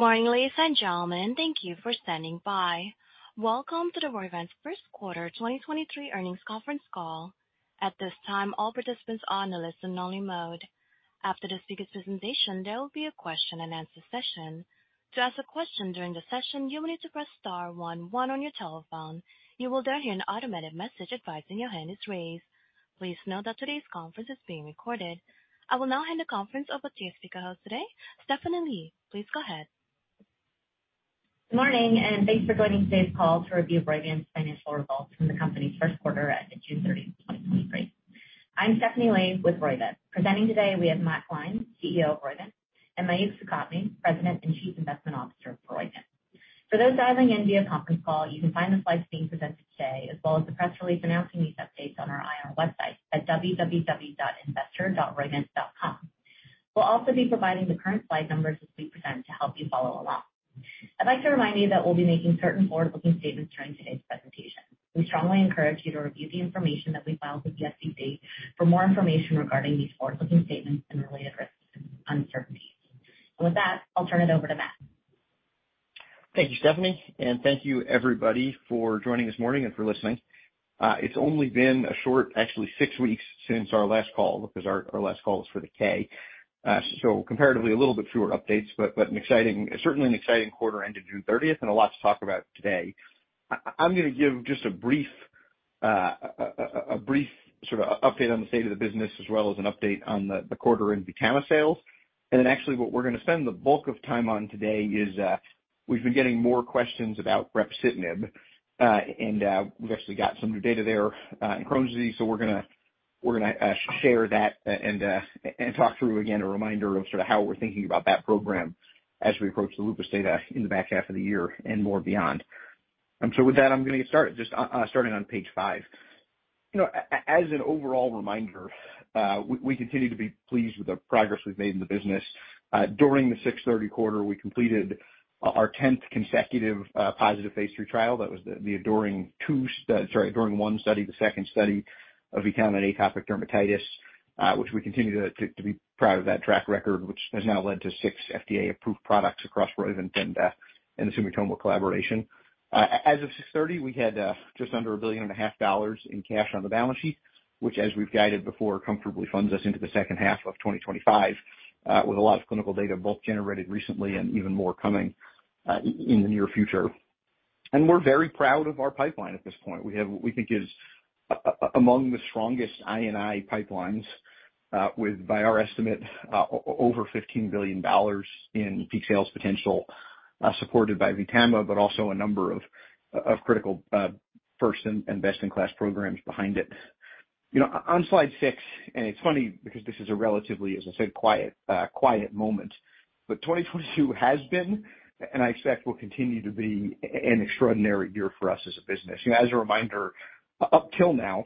Good morning, ladies and gentlemen. Thank you for standing by. Welcome to Roivant's First Quarter 2023 Earnings Conference Call. At this time, all participants are on a listen-only mode. After the speaker's presentation, there will be a question-and-answer session. To ask a question during the session, you will need to press star one one on your telephone. You will then hear an automated message advising your hand is raised. Please note that today's conference is being recorded. I will now hand the conference over to your speaker host today, Stephanie Lee. Please go ahead. Good morning, thanks for joining today's call to review Roivant's financial results from the company's first quarter ended June 30, 2023. I'm Stephanie Lee with Roivant. Presenting today, we have Matt Gline, CEO of Roivant, and Mayukh Sukhatme, President and Chief Investment Officer of Roivant. For those dialing in via conference call, you can find the slides being presented today, as well as the press release announcing these updates on our IR website at www.investor.roivant.com. We'll also be providing the current slide numbers as we present to help you follow along. I'd like to remind you that we'll be making certain forward-looking statements during today's presentation. We strongly encourage you to review the information that we filed with the SEC for more information regarding these forward-looking statements and related risks and uncertainties. With that, I'll turn it over to Matt. Thank you, Stephanie, and thank you, everybody, for joining this morning and for listening. It's only been a short, actually six weeks since our last call, because our, our last call was for the K. Comparatively, a little bit fewer updates, but an exciting, certainly an exciting quarter end of June 30th, and a lot to talk about today. I'm gonna give just a brief, a brief sort of update on the state of the business, as well as an update on the quarter-end VTAMA sales. Then actually what we're gonna spend the bulk of time on today is, we've been getting more questions about brepocitinib, and we've actually got some new data there in Crohn's disease, so we're gonna, we're gonna share that and talk through, again, a reminder of sort of how we're thinking about that program as we approach the lupus data in the back half of the year and more beyond. With that, I'm gonna get started, just starting on Page five. You know, as an overall reminder, we continue to be pleased with the progress we've made in the business. During the 6/30 quarter, we completed our 10th consecutive positive phase III trial. That was the, the ADORING 2 sorry, ADORING 1 study, the second study of VTAMA at atopic dermatitis, which we continue to be proud of that track record, which has now led to six FDA-approved products across Roivant and the Sumitomo collaboration. As of 6/30, we had just under $1.5 billion in cash on the balance sheet, which, as we've guided before, comfortably funds us into the second half of 2025, with a lot of clinical data both generated recently and even more coming in the near future. We're very proud of our pipeline at this point. We have what we think is among the strongest I&I pipelines, with, by our estimate, over $15 billion in peak sales potential, supported by VTAMA, but also a number of, of critical, first and, best-in-class programs behind it. You know, on Slide six, and it's funny because this is a relatively, as I said, quiet, quiet moment, but 2022 has been, and I expect will continue to be, an extraordinary year for us as a business. You know, as a reminder, up till now,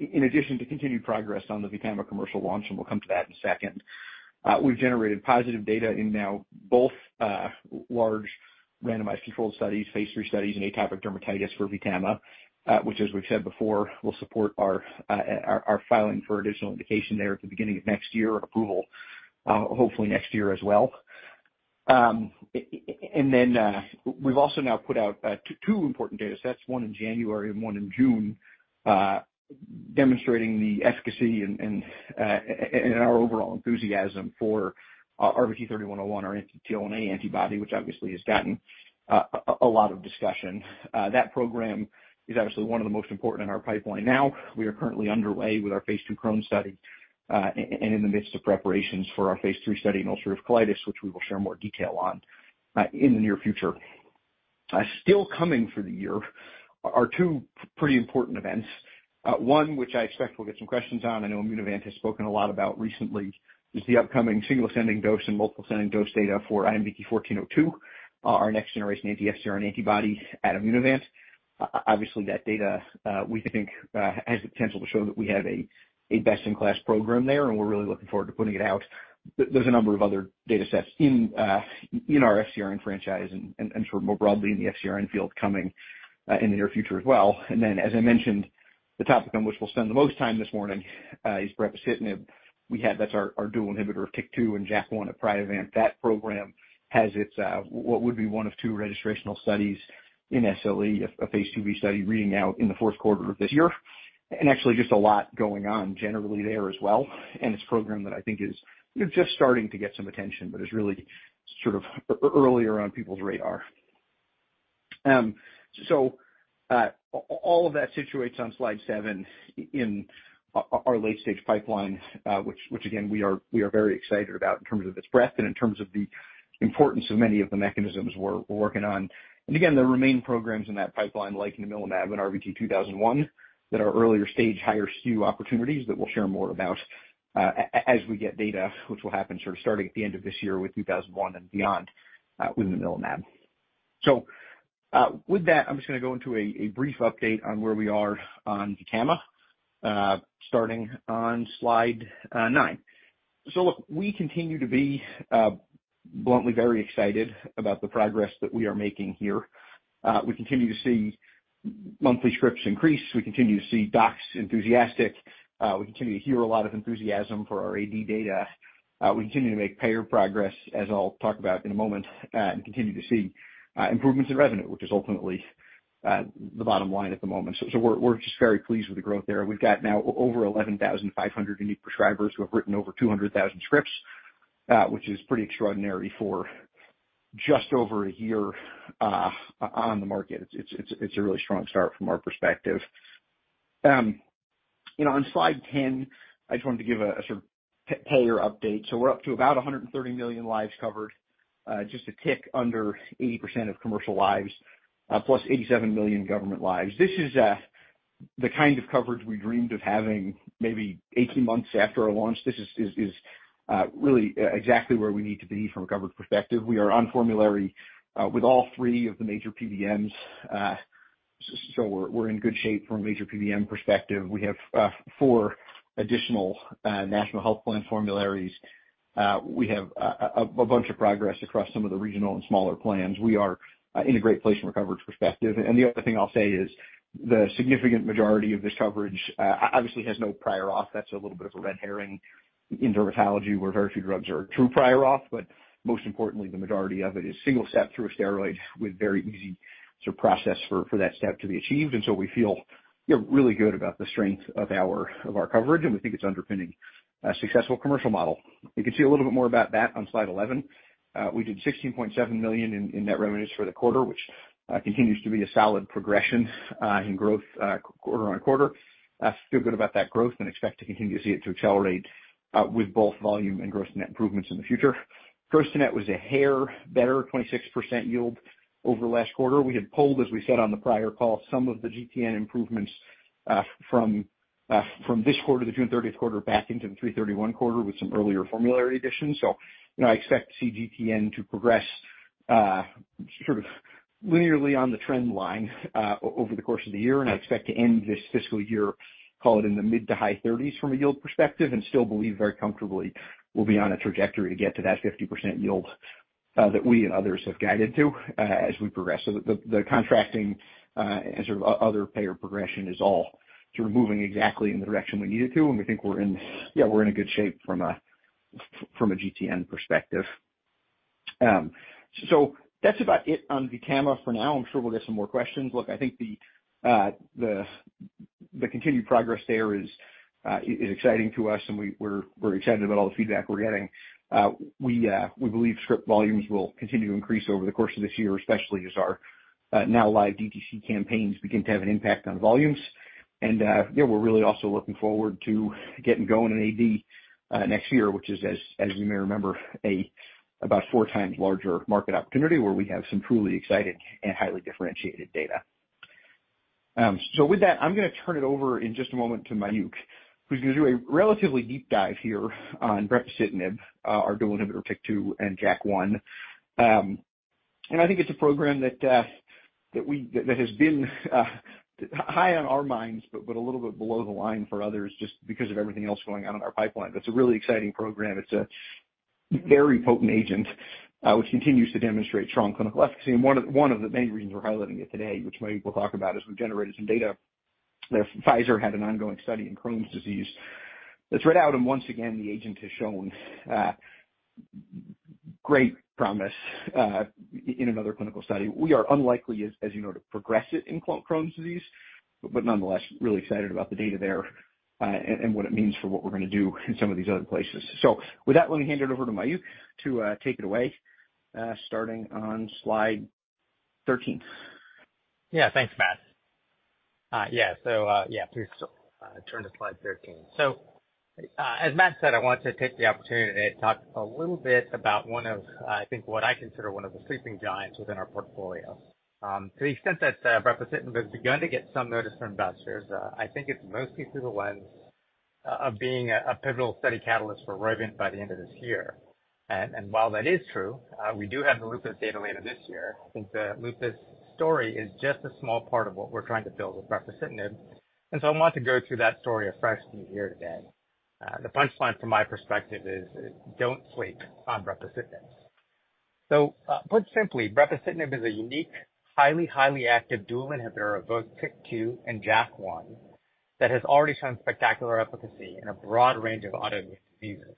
in addition to continued progress on the VTAMA commercial launch, and we'll come to that in a second, we've generated positive data in now both, large randomized controlled studies, phase III studies, in atopic dermatitis for VTAMA, which, as we've said before, will support our, our, our filing for additional indication there at the beginning of next year, approval, hopefully next year as well. Then, we've also now put out, two important datasets, one in January and one in June, demonstrating the efficacy and, and, and our overall enthusiasm for RVT-3101, our anti-TL1A antibody, which obviously has gotten a lot of discussion. That program is obviously one of the most important in our pipeline now. We are currently underway with our phase II Crohn's study, and in the midst of preparations for our phase III study in ulcerative colitis, which we will share more detail on in the near future. Still coming for the year are two pretty important events. One, which I expect we'll get some questions on, I know Immunovant has spoken a lot about recently, is the upcoming single ascending dose and multiple ascending dose data for IMVT-1402, our next-generation anti-FcRn antibody at Immunovant. Obviously, that data, we think, has the potential to show that we have a best-in-class program there, and we're really looking forward to putting it out. There's a number of other datasets in our FcRn franchise and, and, and sort of more broadly in the FcRn field coming in the near future as well. As I mentioned, the topic on which we'll spend the most time this morning, is brepocitinib. We had that's our, our dual inhibitor of TYK2 and JAK1 at Priovant. That program has its, what would be one of two registrational studies in SLE, a phase IIb study, reading out in the fourth quarter of this year. Actually, just a lot going on generally there as well. It's a program that I think is, you know, just starting to get some attention, but is really sort of earlier on people's radar. All of that situates on Slide seven in our late-stage pipeline, which, which again, we are, we are very excited about in terms of its breadth and in terms of the importance of many of the mechanisms we're, we're working on. Again, there remain programs in that pipeline, like namilumab and RVT-2001, that are earlier-stage, higher SKU opportunities that we'll share more about as we get data, which will happen sort of starting at the end of this year with 2001 and beyond with namilumab. With that, I'm just gonna go into a brief update on where we are on VTAMA, starting on Slide nine. Look, we continue to be, bluntly, very excited about the progress that we are making here. We continue to see monthly scripts increase. We continue to see docs enthusiastic. We continue to hear a lot of enthusiasm for our AD data. We continue to make payer progress, as I'll talk about in a moment, and continue to see improvements in revenue, which is ultimately the bottom line at the moment. We're, we're just very pleased with the growth there. We've got now over 11,500 unique prescribers, who have written over 200,000 scripts, which is pretty extraordinary for just over a year on the market. It's, it's, it's a really strong start from our perspective. You know, on Slide 10, I just wanted to give a sort of payer update. We're up to about 130 million lives covered, just a tick under 80% of commercial lives, plus 87 million government lives. This is the kind of coverage we dreamed of having maybe 18 months after our launch. This is, is, is really exactly where we need to be from a coverage perspective. We are on formulary with all three of the major PBMs. So we're, we're in good shape from a major PBM perspective. We have four additional national health plan formularies. We have a bunch of progress across some of the regional and smaller plans. We are in a great place from a coverage perspective. The other thing I'll say is, the significant majority of this coverage, obviously, has no prior auth. That's a little bit of a red herring in dermatology, where very few drugs are true prior auth, but most importantly, the majority of it is single step through a steroid, with very easy sort of process for that step to be achieved. We feel, yeah, really good about the strength of our coverage, and we think it's underpinning a successful commercial model. You can see a little bit more about that on Slide 11. We did $16.7 million in net revenues for the quarter, which continues to be a solid progression in growth quarter-on-quarter. Feel good about that growth and expect to continue to see it to accelerate with both volume and gross net improvements in the future. Gross to net was a hair better, 26% yield over last quarter. We had pulled, as we said on the prior call, some of the GTN improvements, from this quarter, the June 30th quarter, back into the 3/31 quarter with some earlier formulary additions. You know, I expect to see GTN to progress, sort of linearly on the trend line, over the course of the year. I expect to end this fiscal year, call it, in the mid to high 30s from a yield perspective, and still believe very comfortably we'll be on a trajectory to get to that 50% yield, that we and others have guided to, as we progress. The, the, the contracting, and sort of other payer progression is all sort of moving exactly in the direction we need it to, and we think we're in... Yeah, we're in a good shape from a GTN perspective. That's about it on VTAMA for now. I'm sure we'll get some more questions. Look, I think the continued progress there is exciting to us, and we're excited about all the feedback we're getting. We believe script volumes will continue to increase over the course of this year, especially as our now live DTC campaigns begin to have an impact on volumes. Yeah, we're really also looking forward to getting going in AD next year, which is as, as you may remember, about four times larger market opportunity, where we have some truly exciting and highly differentiated data. With that, I'm gonna turn it over in just a moment to Mayukh, who's gonna do a relatively deep dive here on brepocitinib, our dual inhibitor TYK2 and JAK1. I think it's a program that, that we-- that, that has been high on our minds, but, but a little bit below the line for others, just because of everything else going on in our pipeline. That's a really exciting program. It's a very potent agent, which continues to demonstrate strong clinical efficacy. One of, one of the main reasons we're highlighting it today, which Mayukh will talk about, is we've generated some data that Pfizer had an ongoing study in Crohn's disease. That's read out, and once again, the agent has shown great promise, in another clinical study. We are unlikely, as, as you know, to progress it in Crohn's disease, but nonetheless, really excited about the data there, and what it means for what we're gonna do in some of these other places. With that, let me hand it over to Mayukh to take it away, starting on Slide 13. Yeah. Thanks, Matt. Yeah, please, turn to Slide 13. As Matt said, I want to take the opportunity to talk a little bit about one of, I think what I consider one of the sleeping giants within our portfolio. To the extent that brepocitinib has begun to get some notice from investors, I think it's mostly through the lens of being a pivotal study catalyst for Roivant by the end of this year. While that is true, we do have the lupus data later this year. I think the lupus story is just a small part of what we're trying to build with brepocitinib, I want to go through that story a fresh new year today. The punchline from my perspective is, don't sleep on brepocitinib. Put simply, brepocitinib is a unique, highly, highly active dual inhibitor of both TYK2 and JAK1, that has already shown spectacular efficacy in a broad range of autoimmune diseases.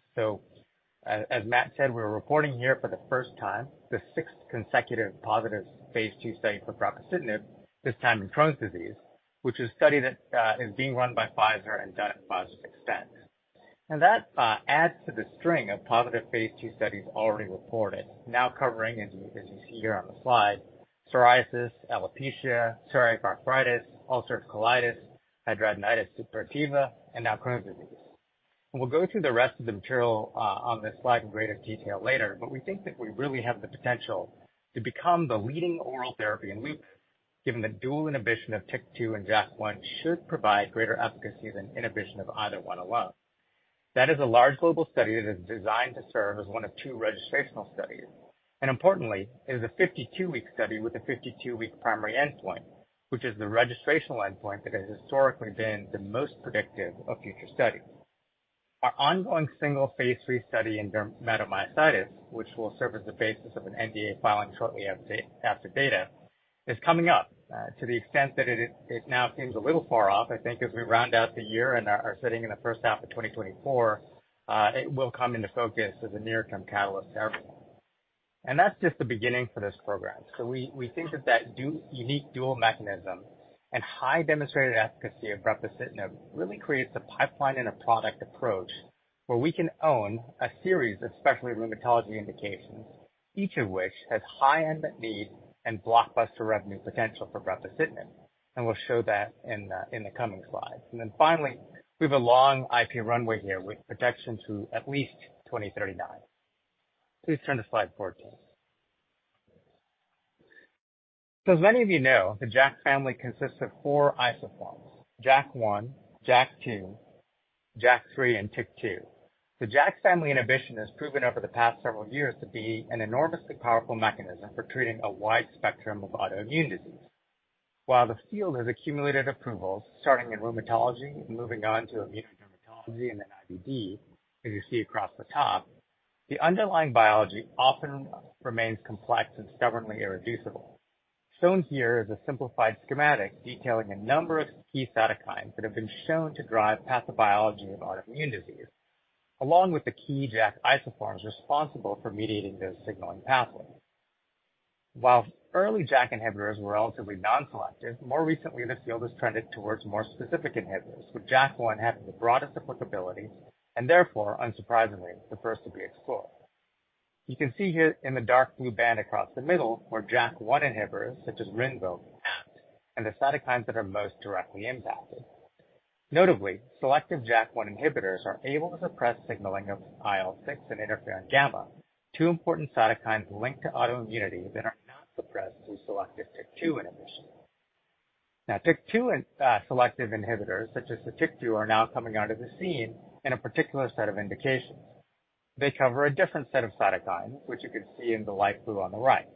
As Matt said, we're reporting here for the first time, the sixth consecutive positive phase II study for brepocitinib, this time in Crohn's disease, which is a study that is being run by Pfizer and done by Extent. That adds to the string of positive phase II studies already reported, now covering, as you, as you see here on the slide, psoriasis, alopecia, psoriatic arthritis, ulcerative colitis, hidradenitis suppurativa, and now Crohn's disease. We'll go through the rest of the material on this slide in greater detail later, but we think that we really have the potential to become the leading oral therapy in lupus, given the dual inhibition of TYK2 and JAK1 should provide greater efficacy than inhibition of either one alone. That is a large global study that is designed to serve as one of two registrational studies. Importantly, it is a 52-week study with a 52-week primary endpoint, which is the registrational endpoint that has historically been the most predictive of future studies.... Our ongoing single phase III study in dermatomyositis, which will serve as the basis of an NDA filing shortly after data, is coming up to the extent that it, it now seems a little far off. I think as we round out the year and are, are sitting in the first half of 2024, it will come into focus as a near-term catalyst for everyone. That's just the beginning for this program. We, we think that, that unique dual mechanism and high demonstrated efficacy of brepocitinib really creates a pipeline and a product approach, where we can own a series of specialty rheumatology indications, each of which has high unmet need and blockbuster revenue potential for brepocitinib, and we'll show that in the, in the coming slides. Finally, we have a long IP runway here with protection to at least 2039. Please turn to Slide 14. As many of you know, the JAK family consists of four isoforms, JAK1, JAK2, JAK3, and TYK2. The JAK family inhibition has proven over the past several years to be an enormously powerful mechanism for treating a wide spectrum of autoimmune disease. While the field has accumulated approvals, starting in rheumatology and moving on to immunodermatology and then IBD, as you see across the top, the underlying biology often remains complex and stubbornly irreducible. Shown here is a simplified schematic detailing a number of key cytokines that have been shown to drive pathobiology of autoimmune disease, along with the key JAK isoforms responsible for mediating those signaling pathways. While early JAK inhibitors were relatively non-selective, more recently, the field has trended towards more specific inhibitors, with JAK1 having the broadest applicability, and therefore, unsurprisingly, the first to be explored. You can see here in the dark blue band across the middle, where JAK1 inhibitors, such as Rinvoq, act, and the cytokines that are most directly impacted. Notably, selective JAK1 inhibitors are able to suppress signaling of IL-6 and interferon-γ, two important cytokines linked to autoimmunity that are not suppressed through selective TYK2 inhibition. TYK2 selective inhibitors, such as Sotyktu, are now coming onto the scene in a particular set of indications. They cover a different set of cytokines, which you can see in the light blue on the right.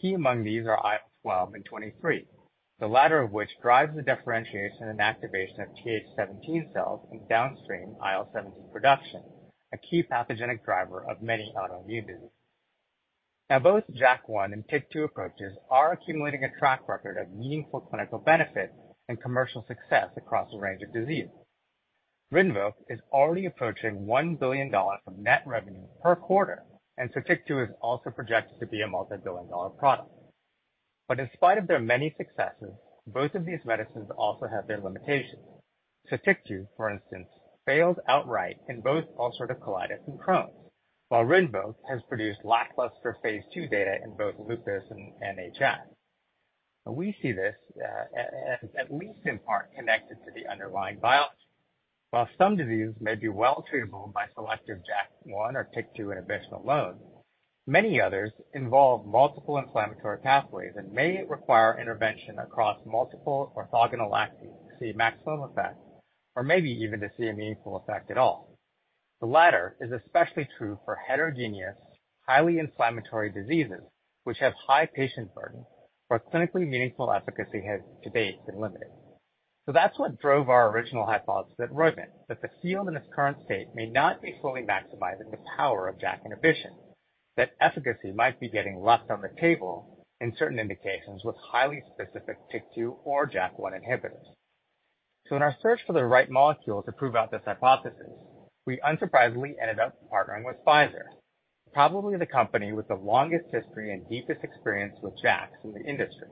Key among these are IL-12 and 23, the latter of which drives the differentiation and activation of Th17 cells and downstream IL-17 production, a key pathogenic driver of many autoimmune diseases. Both JAK1 and TYK2 approaches are accumulating a track record of meaningful clinical benefits and commercial success across a range of diseases. Rinvoq is already approaching $1 billion of net revenue per quarter. Sotyktu is also projected to be a multi-billion dollar product. In spite of their many successes, both of these medicines also have their limitations. Sotyktu, for instance, failed outright in both ulcerative colitis and Crohn's, while Rinvoq has produced lackluster phase II data in both lupus and NIU. We see this as at least in part, connected to the underlying biology. While some diseases may be well treatable by selective JAK1 or TYK2 inhibition alone, many others involve multiple inflammatory pathways and may require intervention across multiple orthogonal axes to see maximum effect, or maybe even to see a meaningful effect at all. The latter is especially true for heterogeneous, highly inflammatory diseases, which have high patient burden, where clinically meaningful efficacy has to date been limited. That's what drove our original hypothesis at Roivant, that the field in its current state may not be fully maximizing the power of JAK inhibition. That efficacy might be getting left on the table in certain indications with highly specific TYK2 or JAK1 inhibitors. In our search for the right molecule to prove out this hypothesis, we unsurprisingly ended up partnering with Pfizer, probably the company with the longest history and deepest experience with JAKs in the industry.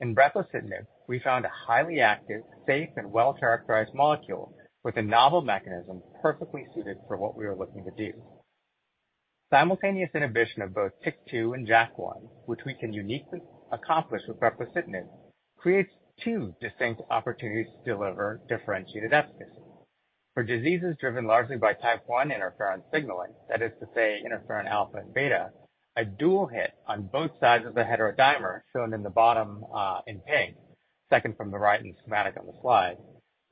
In brepocitinib, we found a highly active, safe, and well-characterized molecule with a novel mechanism, perfectly suited for what we were looking to do. Simultaneous inhibition of both TYK2 and JAK1, which we can uniquely accomplish with brepocitinib, creates two distinct opportunities to deliver differentiated efficacy. For diseases driven largely by Type I interferon signaling, that is to say, interferon alpha and beta, a dual hit on both sides of the heterodimer, shown in the bottom, in pink, second from the right in the schematic on the slide,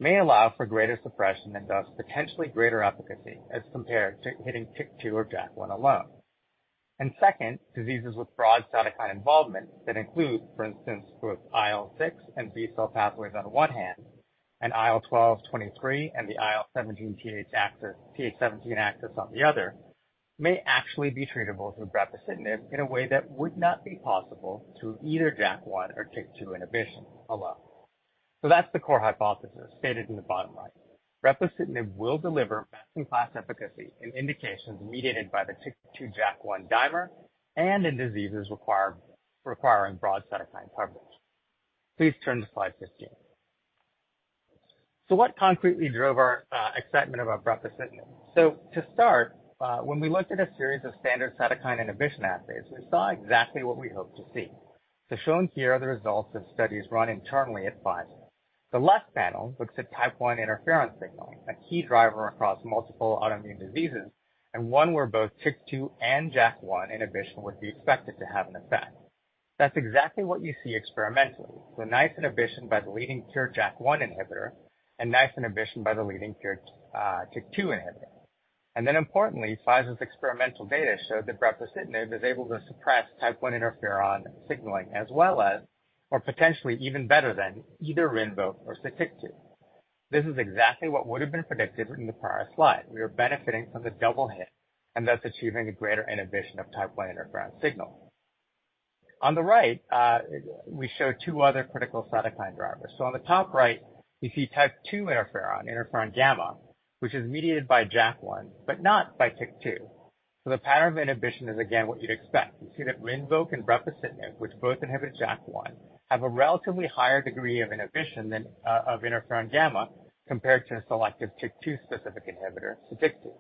may allow for greater suppression and thus potentially greater efficacy as compared to hitting TYK2 or JAK1 alone. Second, diseases with broad cytokine involvement that include, for instance, both IL-6 and B-cell pathways on one hand, and IL-12, 23, and the Th17 access on the other, may actually be treatable with brepocitinib in a way that would not be possible through either JAK1 or TYK2 inhibition alone. That's the core hypothesis stated in the bottom line. Brepocitinib will deliver best-in-class efficacy in indications mediated by the TYK2/JAK1 dimer, and in diseases requiring broad cytokine coverage. Please turn to Slide 15. What concretely drove our excitement about brepocitinib? To start, when we looked at a series of standard cytokine inhibition assays, we saw exactly what we hoped to see. Shown here are the results of studies run internally at Pfizer. The left panel looks at type I interferon signaling, a key driver across multiple autoimmune diseases, and one where both TYK2 and JAK1 inhibition would be expected to have an effect. That's exactly what you see experimentally, with nice inhibition by the leading cure JAK1 inhibitor, and nice inhibition by the leading cure TYK2 inhibitor. Then importantly, Pfizer's experimental data showed that brepocitinib is able to suppress type I interferon signaling, as well as, or potentially even better than, either Rinvoq or Sotyktu. This is exactly what would have been predicted in the prior slide. We are benefiting from the double hit, and thus achieving a greater inhibition of type I interferon signal. On the right, we show two other critical cytokine drivers. On the top right, you see type II interferon, interferon-γ, which is mediated by JAK1, but not by TYK2. The pattern of inhibition is again, what you'd expect. You see that Rinvoq and brepocitinib, which both inhibit JAK1, have a relatively higher degree of inhibition than of interferon-γ, compared to a selective TYK2 specific inhibitor, Sotyktu.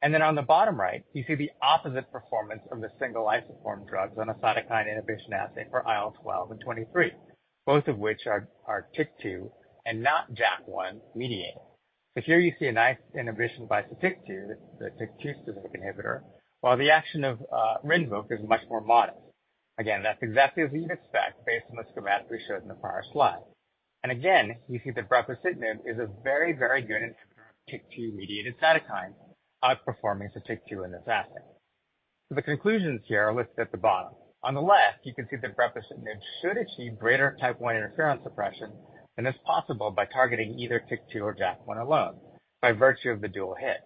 Then on the bottom right, you see the opposite performance from the single isoform drugs on a cytokine inhibition assay for IL-12 and IL-23, both of which are TYK2 and not JAK1 mediated. Here you see a nice inhibition by Sotyktu, the TYK2 specific inhibitor, while the action of Rinvoq is much more modest. Again, that's exactly as you'd expect, based on the schematic we showed in the prior slide. Again, you see that brepocitinib is a very, very good TYK2-mediated cytokine, outperforming Sotyktu in this assay. The conclusions here are listed at the bottom. On the left, you can see that brepocitinib should achieve greater type I interferon suppression than is possible by targeting either TYK2 or JAK1 alone, by virtue of the dual hit.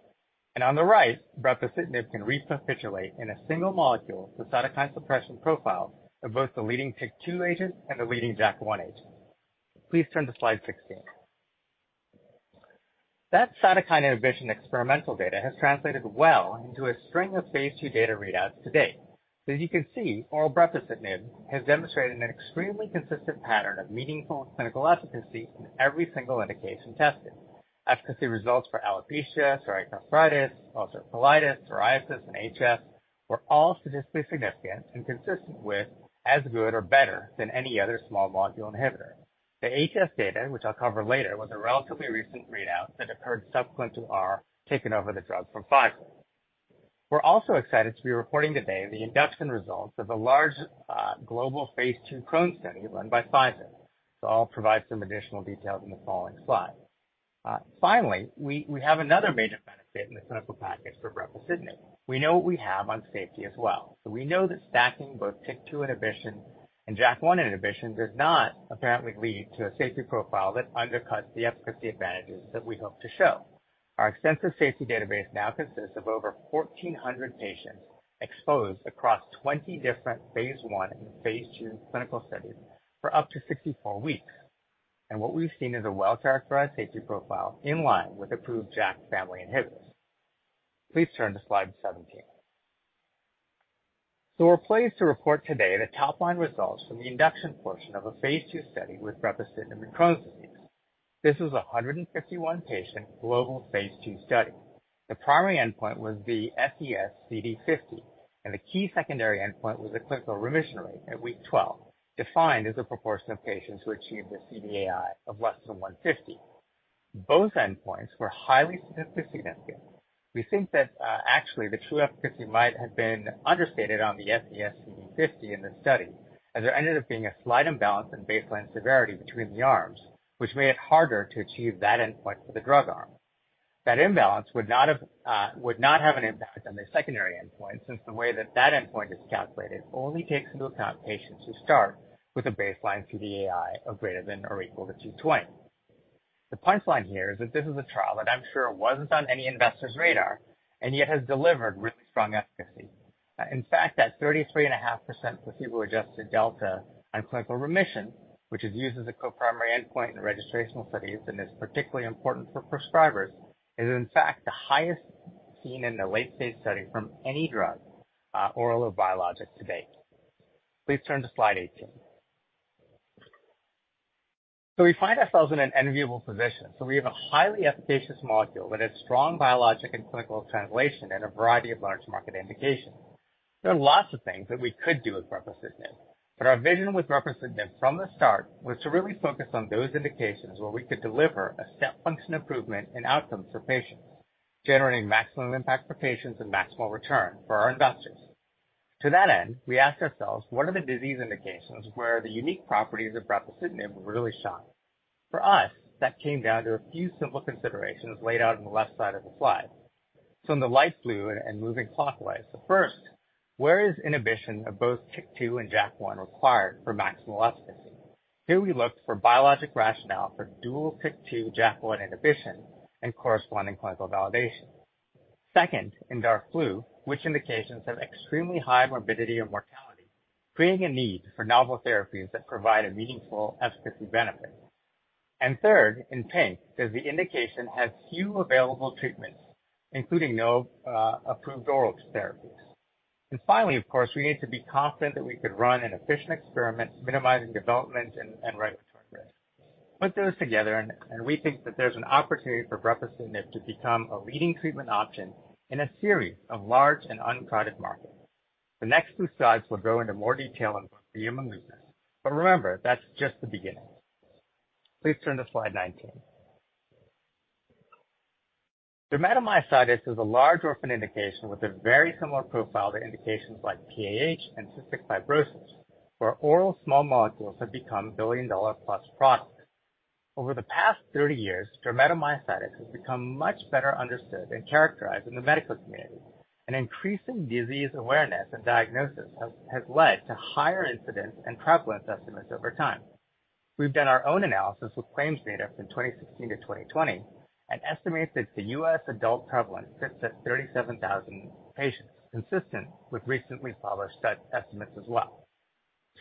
On the right, brepocitinib can recapitulate in a single molecule, the cytokine suppression profile of both the leading TYK2 agent and the leading JAK1 agent. Please turn to Slide 16. That cytokine inhibition experimental data has translated well into a string of phase II data readouts to date. As you can see, oral brepocitinib has demonstrated an extremely consistent pattern of meaningful clinical efficacy in every single indication tested. Efficacy results for alopecia, psoriatic arthritis, ulcerative colitis, psoriasis, and HS, were all statistically significant, and consistent with as good or better than any other small molecule inhibitor. The HS data, which I'll cover later, was a relatively recent readout that occurred subsequent to our taking over the drug from Pfizer. We're also excited to be reporting today the induction results of a large, global phase II Crohn's study run by Pfizer. I'll provide some additional details in the following slide. Finally, we have another major benefit in the clinical package for brepocitinib. We know what we have on safety as well. We know that stacking both TYK2 inhibition and JAK1 inhibition does not apparently lead to a safety profile that undercuts the efficacy advantages that we hope to show. Our extensive safety database now consists of over 1,400 patients, exposed across 20 different phase I and phase II clinical studies for up to 64 weeks, and what we've seen is a well-characterized safety profile in line with approved JAK family inhibitors. Please turn to Slide 17. We're pleased to report today the top-line results from the induction portion of a phase II study with brepocitinib in Crohn's disease. This is a 151 patient, global phase II study. The primary endpoint was the SES-CD 50, and the key secondary endpoint was a clinical remission rate at week 12, defined as a proportion of patients who achieved a CDAI of less than 150. Both endpoints were highly statistically significant. We think that, actually, the true efficacy might have been understated on the SES-CD 50 in this study, as there ended up being a slight imbalance in baseline severity between the arms, which made it harder to achieve that endpoint for the drug arm. That imbalance would not have, would not have an impact on the secondary endpoint, since the way that that endpoint is calculated only takes into account patients who start with a baseline CDAI of greater than or equal to 220. The punchline here, is that this is a trial that I'm sure wasn't on any investor's radar, and yet has delivered really strong efficacy. In fact, that 33.5% placebo-adjusted delta on clinical remission, which is used as a co-primary endpoint in the registrational studies, and is particularly important for prescribers, is in fact the highest seen in the late phase study from any drug, oral or biologic to date. Please turn to Slide 18. We find ourselves in an enviable position. We have a highly efficacious molecule that has strong biologic and clinical translation in a variety of large market indications. There are lots of things that we could do with brepocitinib, but our vision with brepocitinib from the start, was to really focus on those indications where we could deliver a step function improvement in outcomes for patients, generating maximum impact for patients and maximal return for our investors. To that end, we asked ourselves: What are the disease indications where the unique properties of brepocitinib really shine? For us, that came down to a few simple considerations, laid out on the left side of the slide. In the light blue and moving clockwise, first, where is inhibition of both TYK2 and JAK1 required for maximal efficacy? Here we looked for biologic rationale for dual TYK2/JAK1 inhibition and corresponding clinical validation. Second, in dark blue, which indications have extremely high morbidity and mortality, creating a need for novel therapies that provide a meaningful efficacy benefit? Third, in pink, does the indication have few available treatments, including no approved oral therapies? Finally, of course, we need to be confident that we could run an efficient experiment, minimizing development and regulatory risk. Put those together and we think that there's an opportunity for brepocitinib to become a leading treatment option in a series of large and uncharted markets. The next two slides will go into more detail on rheumatoid and lupus, but remember, that's just the beginning. Please turn to Slide 19. Dermatomyositis is a large orphan indication with a very similar profile to indications like PAH and cystic fibrosis, where oral small molecules have become $1 billion-plus products. Over the past 30 years, dermatomyositis has become much better understood and characterized in the medical community. Increasing disease awareness and diagnosis has led to higher incidence and prevalence estimates over time. We've done our own analysis with claims data from 2016 to 2020, estimated that the U.S. adult prevalence sits at 37,000 patients, consistent with recently published study estimates as well.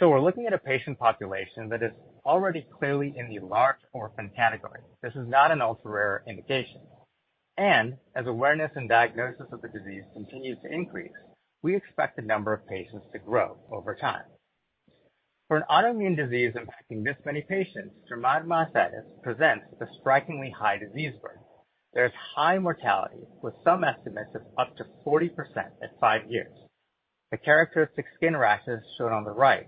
We're looking at a patient population that is already clearly in the large orphan category. This is not an ultra-rare indication. As awareness and diagnosis of the disease continues to increase, we expect the number of patients to grow over time. For an autoimmune disease impacting this many patients, dermatomyositis presents with a strikingly high disease burden. There's high mortality, with some estimates of up to 40% at five years. The characteristic skin rashes shown on the right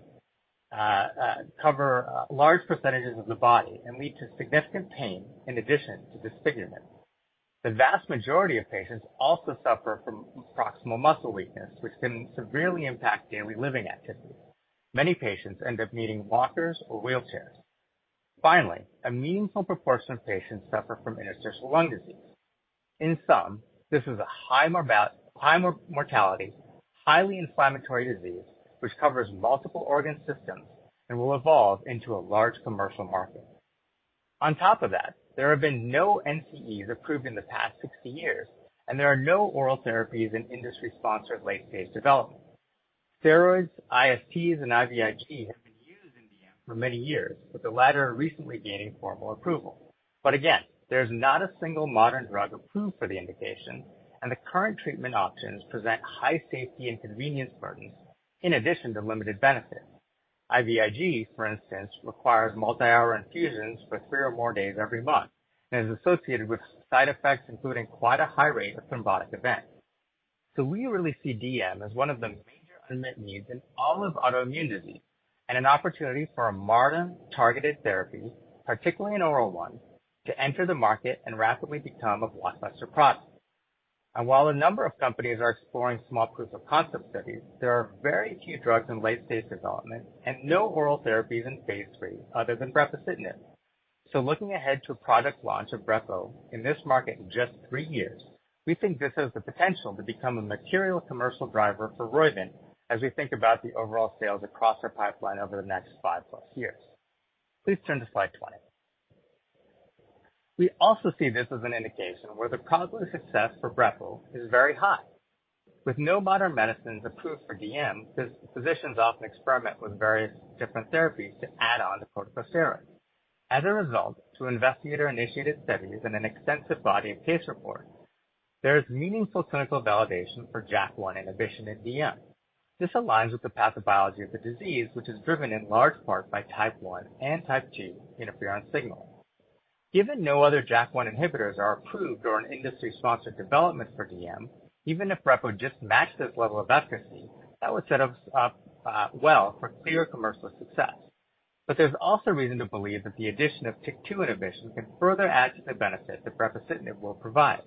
cover large percentages of the body and lead to significant pain in addition to disfigurement. The vast majority of patients also suffer from proximal muscle weakness, which can severely impact daily living activities. Many patients end up needing walkers or wheelchairs. Finally, a meaningful proportion of patients suffer from interstitial lung disease. In sum, this is a high mortality, highly inflammatory disease, which covers multiple organ systems and will evolve into a large commercial market. On top of that, there have been no NCEs approved in the past 60 years, and there are no oral therapies in industry-sponsored late-stage development. Steroids, ISTs, and IVIG have been used in DM for many years, with the latter recently gaining formal approval. Again, there's not a single modern drug approved for the indication, and the current treatment options present high safety and convenience burdens, in addition to limited benefits. IVIG, for instance, requires multi-hour infusions for three or more days every month, and is associated with side effects, including quite a high rate of thrombotic events. We really see DM as one of the major unmet needs in all of autoimmune disease, and an opportunity for a modern, targeted therapy, particularly an oral one, to enter the market and rapidly become a blockbuster product. While a number of companies are exploring small proofs of concept studies, there are very few drugs in late-stage development and no oral therapies in phase III, other than brepocitinib. Looking ahead to a product launch of brepo in this market in just three years, we think this has the potential to become a material commercial driver for Roivant, as we think about the overall sales across our pipeline over the next five-plus years. Please turn to Slide 20. We also see this as an indication where the probability of success for brepo is very high. With no modern medicines approved for DM, physicians often experiment with various different therapies to add on to corticosteroids. As a result, through investigator-initiated studies and an extensive body of case reports, there is meaningful clinical validation for JAK1 inhibition in DM. This aligns with the pathobiology of the disease, which is driven in large part by type one and type two interferon signaling. Given no other JAK1 inhibitors are approved or in industry-sponsored development for DM, even if brepo just matched this level of efficacy, that would set us up well for clear commercial success. There's also reason to believe that the addition of TYK2 inhibition can further add to the benefit that brepocitinib will provide,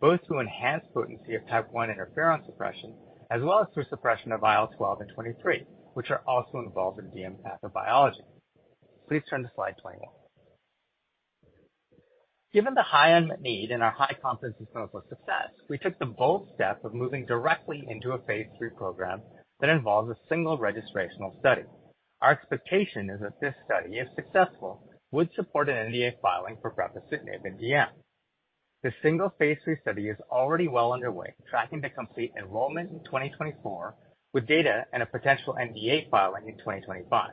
both through enhanced potency of type I interferon suppression, as well as through suppression of IL-12 and IL-23, which are also involved in DM pathobiology. Please turn to Slide 21. Given the high unmet need and our high confidence in clinical success, we took the bold step of moving directly into a phase III program that involves a single registrational study. Our expectation is that this study, if successful, would support an NDA filing for brepocitinib in DM. This single phase III study is already well underway, tracking to complete enrollment in 2024, with data and a potential NDA filing in 2025.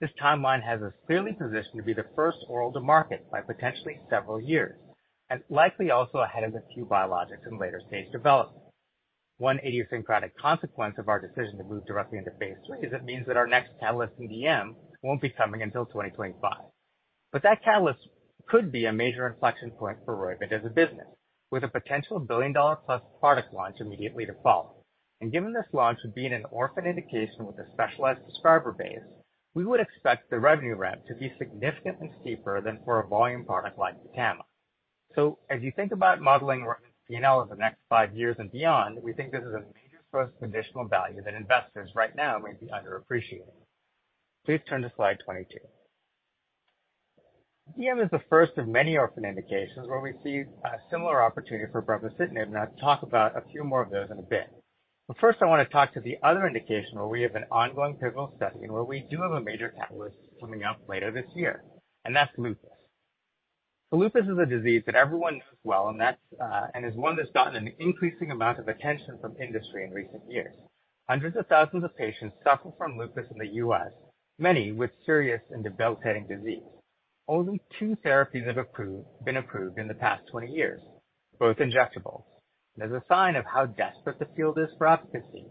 This timeline has us clearly positioned to be the first oral to market by potentially several years, and likely also ahead of a few biologics in later-stage development. One idiosyncratic consequence of our decision to move directly into phase III is it means that our next catalyst in DM won't be coming until 2025. That catalyst could be a major inflection point for Roivant as a business, with a potential billion-dollar-plus product launch immediately to follow. Given this launch being an orphan indication with a specialized prescriber base, we would expect the revenue ramp to be significantly steeper than for a volume product like Rukama. As you think about modeling Roivant's P&L over the next five years and beyond, we think this is a major source of additional value that investors right now may be underappreciating. Please turn to Slide 22. DM is the first of many orphan indications where we see a similar opportunity for brepocitinib, and I'll talk about a few more of those in a bit. First, I want to talk to the other indication where we have an ongoing pivotal study, and where we do have a major catalyst coming up later this year, and that's lupus. Lupus is a disease that everyone knows well, and that's and is one that's gotten an increasing amount of attention from industry in recent years. Hundreds of thousands of patients suffer from lupus in the U.S., many with serious and debilitating disease. Only two therapies have been approved in the past 20 years, both injectables. As a sign of how desperate the field is for efficacy,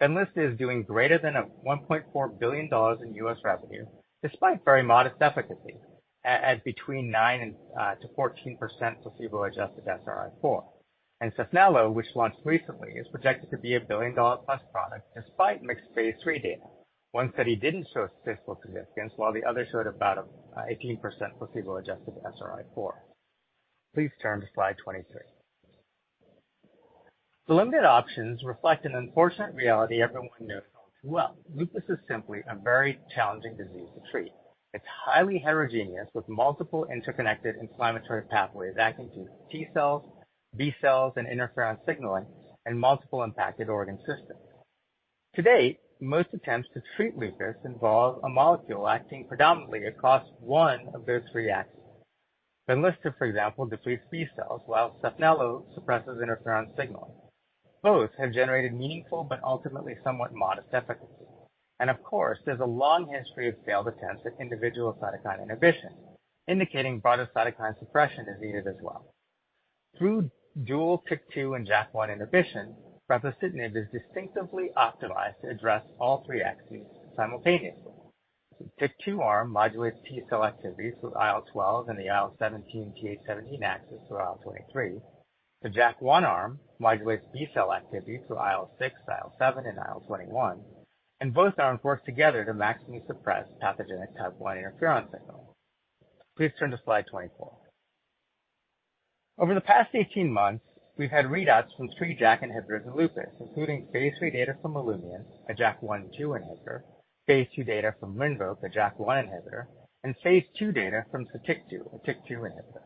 Benlysta is doing greater than $1.4 billion in U.S. revenue, despite very modest efficacy at between 9% and to 14% placebo-adjusted SRI-4. Saphnelo, which launched recently, is projected to be a billion-dollar-plus product, despite mixed phase III data. One study didn't show statistical significance, while the other showed about 18% placebo-adjusted SRI-4. Please turn to Slide 23. The limited options reflect an unfortunate reality everyone knows all too well. Lupus is simply a very challenging disease to treat. It's highly heterogeneous, with multiple interconnected inflammatory pathways acting through T cells, B cells, and interferon signaling, and multiple impacted organ systems. To date, most attempts to treat lupus involve a molecule acting predominantly across one of those three axes. Benlysta, for example, depletes B cells, while Saphnelo suppresses interferon signaling. Both have generated meaningful, but ultimately somewhat modest efficacy. Of course, there's a long history of failed attempts at individual cytokine inhibition, indicating broader cytokine suppression is needed as well. Through dual TYK2 and JAK1 inhibition, brepocitinib is distinctively optimized to address all three axes simultaneously. The TYK2 arm modulates T cell activities through IL-12 and the IL-17/Th17 axis through IL-23. The JAK1 arm modulates B-cell activity through IL-6, IL-7, and IL-21, and both arms work together to maximally suppress pathogenic type I interferon signaling. Please turn to Slide 24. Over the past 18 months, we've had readouts from three JAK inhibitors in lupus, including phase III data from Olumiant, a JAK1/JAK2 inhibitor, phase II data from Rinvoq, a JAK1 inhibitor, and phase II data from Sotyktu, a TYK2 inhibitor.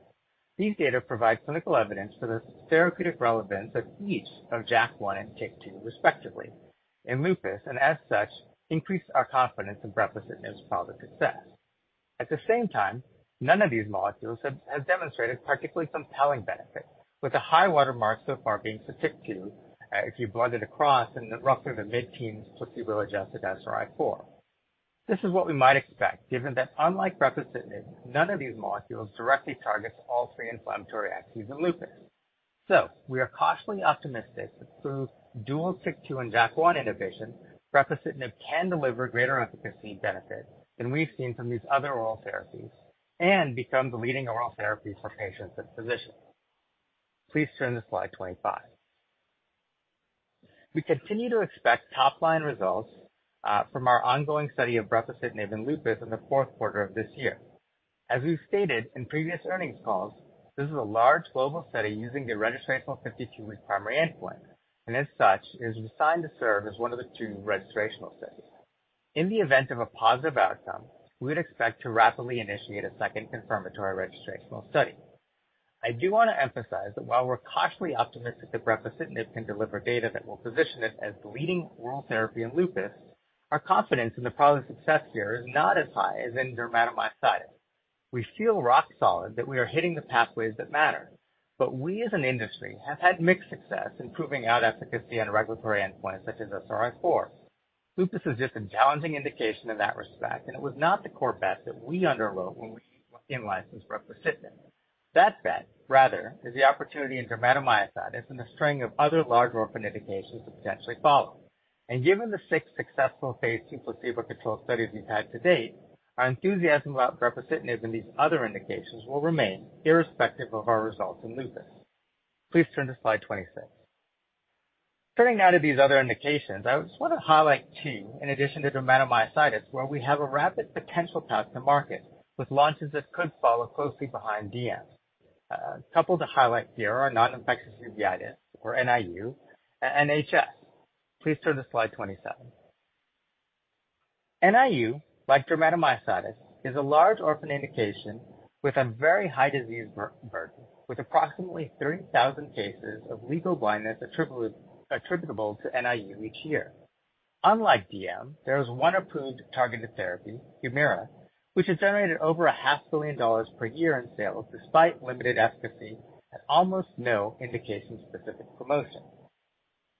These data provide clinical evidence for the therapeutic relevance of each of JAK1 and TYK2, respectively, in lupus. As such, increase our confidence in brepocitinib's product success. At the same time, none of these molecules have, have demonstrated particularly compelling benefits, with the high watermark so far being Sotyktu, if you blend it across in the roughly the mid-teens placebo-adjusted SRI-4. This is what we might expect, given that unlike brepocitinib, none of these molecules directly targets all three inflammatory axes in lupus. We are cautiously optimistic that through dual TYK2 and JAK1 inhibition, brepocitinib can deliver greater efficacy benefits than we've seen from these other oral therapies and become the leading oral therapy for patients and physicians. Please turn to Slide 25. We continue to expect top-line results from our ongoing study of brepocitinib in lupus in the fourth quarter of this year. As we've stated in previous earnings calls, this is a large global study using the registrational 52-week primary endpoint, and as such, it is designed to serve as one of the two registrational studies. In the event of a positive outcome, we would expect to rapidly initiate a second confirmatory registrational study. I do want to emphasize that while we're cautiously optimistic that brepocitinib can deliver data that will position it as the leading oral therapy in lupus, our confidence in the product's success here is not as high as in dermatomyositis. We feel rock solid that we are hitting the pathways that matter, but we as an industry have had mixed success in proving out efficacy on regulatory endpoints such as SRI-4. Lupus is just a challenging indication in that respect, and it was not the core bet that we underwrote when we in-licensed brepocitinib. That bet, rather, is the opportunity in dermatomyositis and a string of other large orphan indications that potentially follow. Given the six successful phase II placebo-controlled studies we've had to date, our enthusiasm about brepocitinib in these other indications will remain irrespective of our results in lupus. Please turn to Slide 26. Turning now to these other indications, I just want to highlight two, in addition to dermatomyositis, where we have a rapid potential path to market, with launches that could follow closely behind DM. Couples of highlight here are noninfectious uveitis, or NIU, and HS. Please turn to Slide 27. NIU, like dermatomyositis, is a large orphan indication with a very high disease burden, with approximately 30,000 cases of legal blindness attributable to NIU each year. Unlike DM, there is one approved targeted therapy, Humira, which has generated over $500 million per year in sales, despite limited efficacy and almost no indication-specific promotion.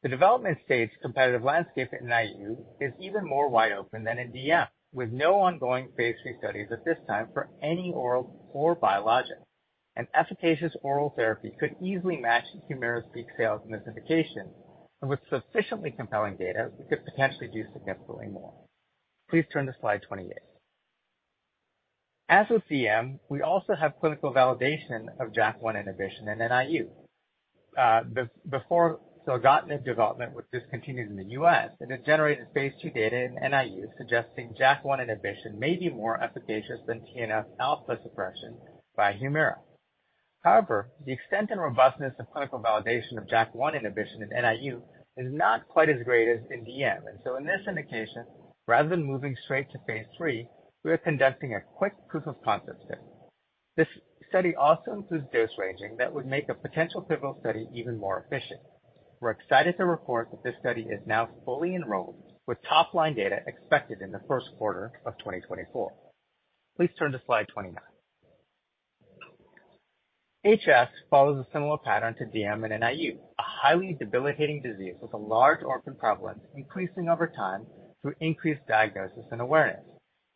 The development stage competitive landscape at NIU is even more wide open than in DM, with no ongoing phase III studies at this time for any oral or biologic. An efficacious oral therapy could easily match Humira's peak sales in this indication, and with sufficiently compelling data, it could potentially do significantly more. Please turn to Slide 28. As with DM, we also have clinical validation of JAK1 inhibition in NIU. Before filgotinib development was discontinued in the U.S., it generated phase II data in NIU, suggesting JAK1 inhibition may be more efficacious than TNF-alpha suppression by Humira. The extent and robustness of clinical validation of JAK1 inhibition in NIU is not quite as great as in DM. In this indication, rather than moving straight to phase III, we are conducting a quick proof of concept study. This study also includes dose ranging that would make a potential pivotal study even more efficient. We're excited to report that this study is now fully enrolled, with top-line data expected in the first quarter of 2024. Please turn to Slide 29. HS follows a similar pattern to DM and NIU, a highly debilitating disease with a large orphan prevalence, increasing over time through increased diagnosis and awareness.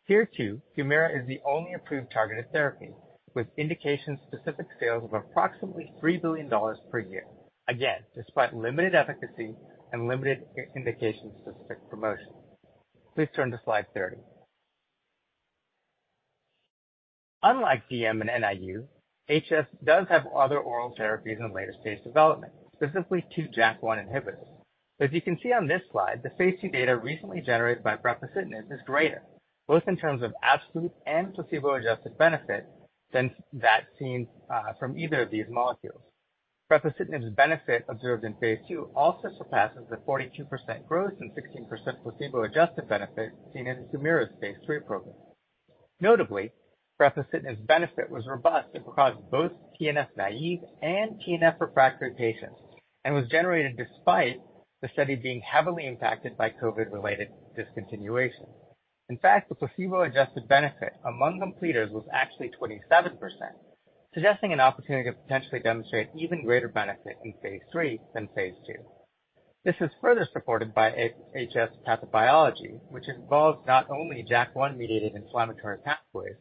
Here, too, Humira is the only approved targeted therapy, with indication-specific sales of approximately $3 billion per year. Despite limited efficacy and limited indication-specific promotion. Please turn to Slide 30. Unlike DM and NIU, HS does have other oral therapies in later-stage development, specifically two JAK1 inhibitors. As you can see on this slide, the phase II data recently generated by brepocitinib is greater, both in terms of absolute and placebo-adjusted benefit than that seen from either of these molecules. Brepocitinib's benefit observed in phase II also surpasses the 42% growth and 16% placebo-adjusted benefit seen in Humira's phase III program. Notably, brepocitinib's benefit was robust across both TNF naive and TNF refractory patients, and was generated despite the study being heavily impacted by COVID-related discontinuation. In fact, the placebo-adjusted benefit among completers was actually 27%, suggesting an opportunity to potentially demonstrate even greater benefit in phase III than phase II. This is further supported by AHS pathobiology, which involves not only JAK1-mediated inflammatory pathways,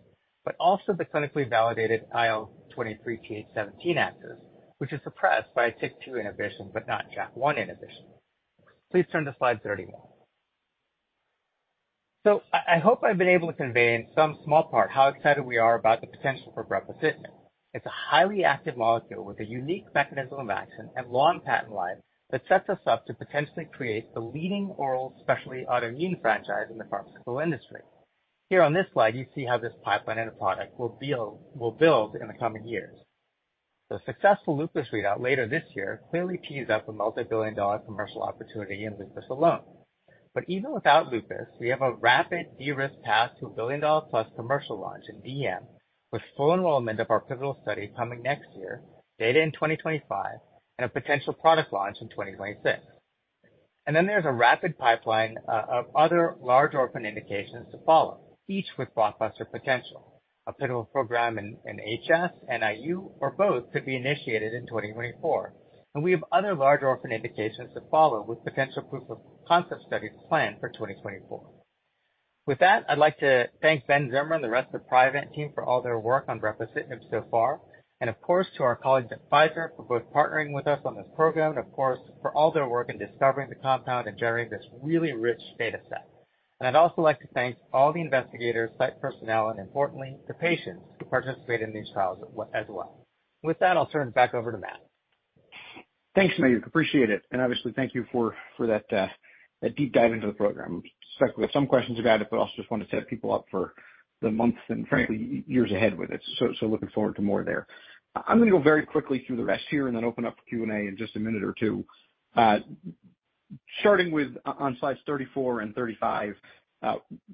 but also the clinically validated IL-23/Th17 axis, which is suppressed by TYK2 inhibition, but not JAK1 inhibition. Please turn to Slide 31. I, I hope I've been able to convey in some small part how excited we are about the potential for brepocitinib. It's a highly active molecule with a unique mechanism of action and long patent life, that sets us up to potentially create the leading oral specialty autoimmune franchise in the pharmaceutical industry. Here on this slide, you see how this pipeline and a product will build, will build in the coming years. The successful lupus readout later this year, clearly tees up a multi-billion dollar commercial opportunity in lupus alone. Even without lupus, we have a rapid de-risk path to a billion-dollar-plus commercial launch in DM, with full enrollment of our pivotal study coming next year, data in 2025, and a potential product launch in 2026. There's a rapid pipeline of other large orphan indications to follow, each with blockbuster potential. A pivotal program in HS, NIU, or both, could be initiated in 2024, and we have other large orphan indications to follow with potential proof of concept studies planned for 2024. With that, I'd like to thank Ben Zimmer and the rest of the Priovant team for all their work on brepocitinib so far, and of course, to our colleagues at Pfizer, for both partnering with us on this program, and of course, for all their work in discovering the compound and generating this really rich data set. I'd also like to thank all the investigators, site personnel, and importantly, the patients who participated in these trials as well. With that, I'll turn it back over to Matt. Thanks, Mayukh. Appreciate it, obviously thank you for, for that, that deep dive into the program. Stuck with some questions about it, I also just want to set people up for the months and frankly, years ahead with it. Looking forward to more there. I'm going to go very quickly through the rest here and then open up the Q&A in just a minute or two. Starting with on Slides 34 and 35.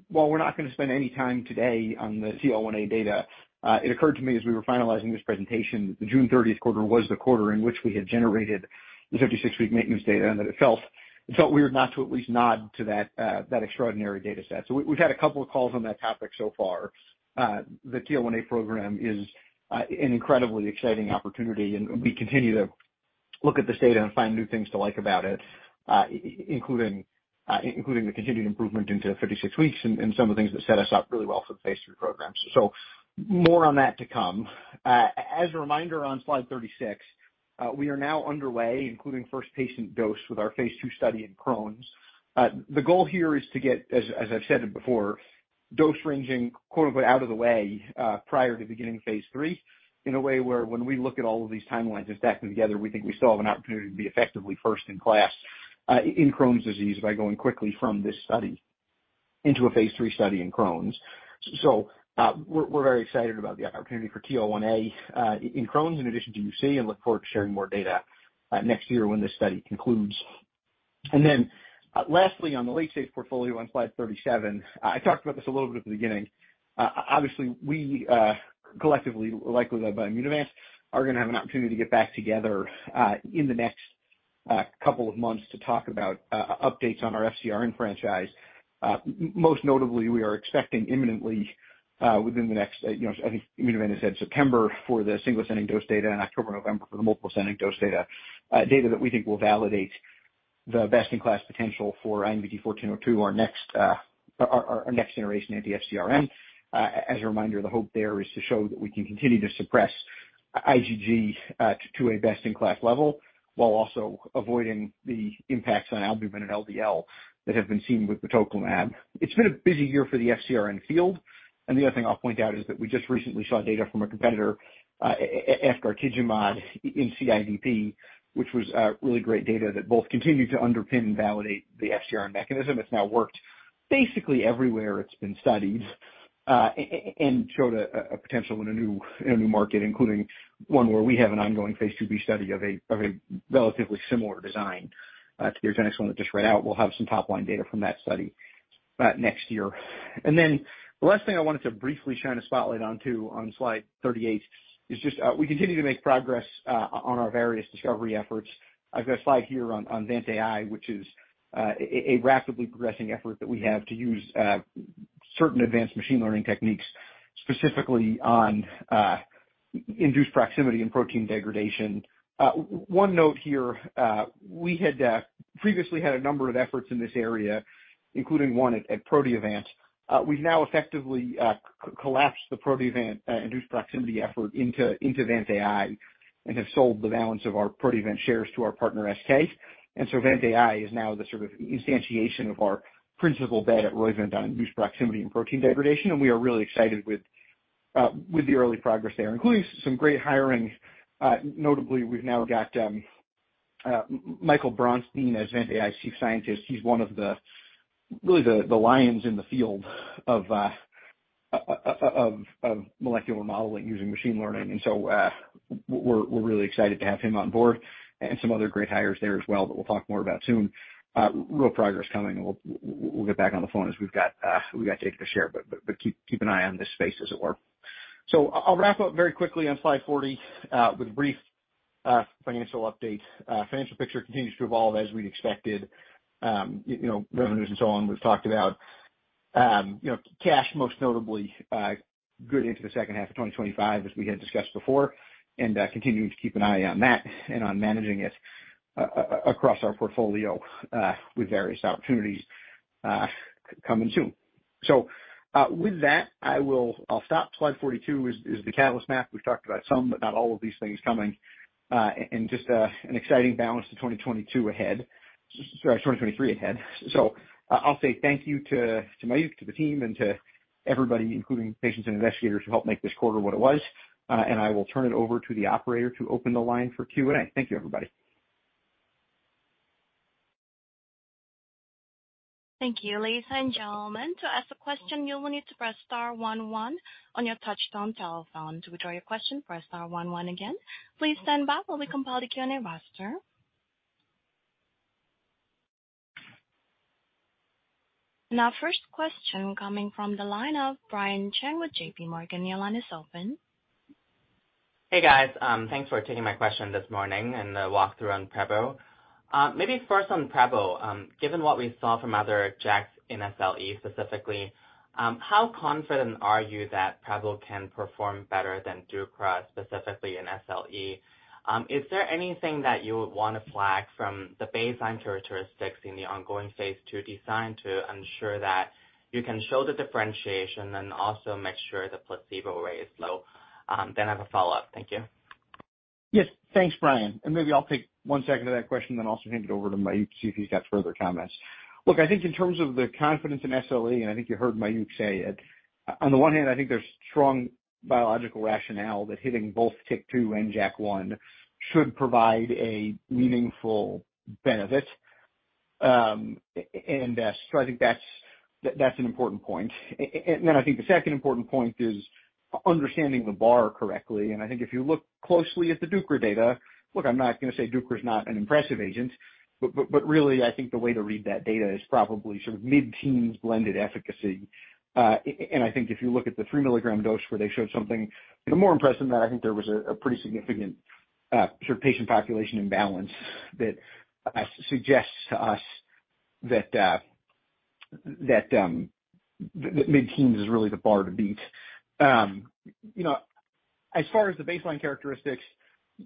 While we're not going to spend any time today on the TL1A data, it occurred to me as we were finalizing this presentation, that the June 30th quarter was the quarter in which we had generated the 56-week maintenance data, that it felt, it felt weird not to at least nod to that, that extraordinary data set. We, we've had a couple of calls on that topic so far. The TL1A program is an incredibly exciting opportunity, and we continue to look at this data and find new things to like about it, including the continued improvement into 56 weeks and some of the things that set us up really well for the phase III program. More on that to come. As a reminder, on slide 36, we are now underway, including first patient dose with our phase II study in Crohn's. The goal here is to get, as, as I've said it before, dose ranging, quote, unquote, "Out of the way," prior to beginning phase III, in a way where when we look at all of these timelines and stack them together, we think we still have an opportunity to be effectively first in class, in Crohn's disease by going quickly from this study into a phase III study in Crohn's. We're very excited about the opportunity for TL1A, in Crohn's, in addition to UC, and look forward to sharing more data, next year when this study concludes. Lastly, on the late-stage portfolio on Slide 37, I talked about this a little bit at the beginning. Obviously, we, collectively, likely led by Immunovant, are going to have an opportunity to get back together, in the next couple of months to talk about updates on our FcRn franchise. Most notably, we are expecting imminently, within the next, you know, I think Immunovant has said September for the single ascending-dose data in October, November for the multiple ascending-dose data. Data that we think will validate the best-in-class potential for IMVT-1402, our next, our, our, our next generation anti-FcRn. As a reminder, the hope there is to show that we can continue to suppress IgG, to a best-in-class level, while also avoiding the impacts on albumin and LDL that have been seen with batoclimab. It's been a busy year for the FcRn field, and the other thing I'll point out is that we just recently saw data from a competitor, efgartigimod in CIDP, which was really great data that both continued to underpin and validate the FcRn mechanism. It's now worked basically everywhere it's been studied and showed a potential in a new, in a new market, including one where we have an ongoing phase IIb study of a relatively similar design to the next one that just read out. We'll have some top-line data from that study next year. The last thing I wanted to briefly shine a spotlight on, too, on Slide 38, is just, we continue to make progress on our various discovery efforts. I've got a slide here on, on VantAI, which is a rapidly progressing effort that we have to use certain advanced machine learning techniques, specifically on induced proximity and protein degradation. One note here, we had previously had a number of efforts in this area, including one at, at Proteovant. We've now effectively collapsed the Proteovant induced proximity effort into, into VantAI, and have sold the balance of our Proteovant shares to our partner, SK. VantAI is now the sort of instantiation of our principal bet at Roivant on induced proximity and protein degradation, and we are really excited with the early progress there, including some great hiring. Notably, we've now got Michael Bronstein as VantAI chief scientist. He's one of the, really, the, the lions in the field of molecular modeling using machine learning. We're, we're really excited to have him on board and some other great hires there as well, that we'll talk more about soon. Real progress coming, and we'll, we'll get back on the phone as we've got to share. Keep, keep an eye on this space as it were. I'll wrap up very quickly on Slide 40 with a brief financial update. Financial picture continues to evolve as we'd expected. You know, revenues and so on, we've talked about. You know, cash, most notably, good into the second half of 2025, as we had discussed before, and continuing to keep an eye on that and on managing it across our portfolio, with various opportunities coming soon. With that, I will I'll stop. Slide 42 is, is the catalyst map. We've talked about some, but not all of these things coming, and just an exciting balance to 2022 ahead, sorry, 2023 ahead. I'll say thank you to, to Mayukh, to the team, and to everybody, including patients and investigators, who helped make this quarter what it was. I will turn it over to the operator to open the line for Q&A. Thank you, everybody. Thank you. Ladies and gentlemen, to ask a question, you will need to press star one one on your touchtone telephone. To withdraw your question, press star one one again. Please stand by while we compile the Q&A roster. Our first question coming from the line of Brian Cheng with JPMorgan. Your line is open. Hey, guys. Thanks for taking my question this morning and the walkthrough on Brepo. Maybe first on Brepo, given what we saw from other jacks in SLE, specifically, how confident are you that Brepo can perform better than deucra, specifically in SLE? Is there anything that you would want to flag from the baseline characteristics in the ongoing phase II design to ensure that you can show the differentiation and also make sure the placebo rate is low? I have a follow-up. Thank you. Yes, thanks, Brian. Maybe I'll take one second of that question, then I'll also hand it over to Mayukh, see if he's got further comments. Look, I think in terms of the confidence in SLE, I think you heard Mayukh say it, on the one hand, I think there's strong biological rationale that hitting both TYK2 and JAK1 should provide a meaningful benefit. I think that's, that's an important point. I think the second important point is understanding the bar correctly. I think if you look closely at the deucra data, look, I'm not going to say deucra is not an impressive agent, but, but, but really, I think the way to read that data is probably sort of mid-teens blended efficacy. I think if you look at the 3 mg dose where they showed something more impressive than that, I think there was a, a pretty significant sort of patient population imbalance that suggests to us that that mid-teens is really the bar to beat. You know, as far as the baseline characteristics,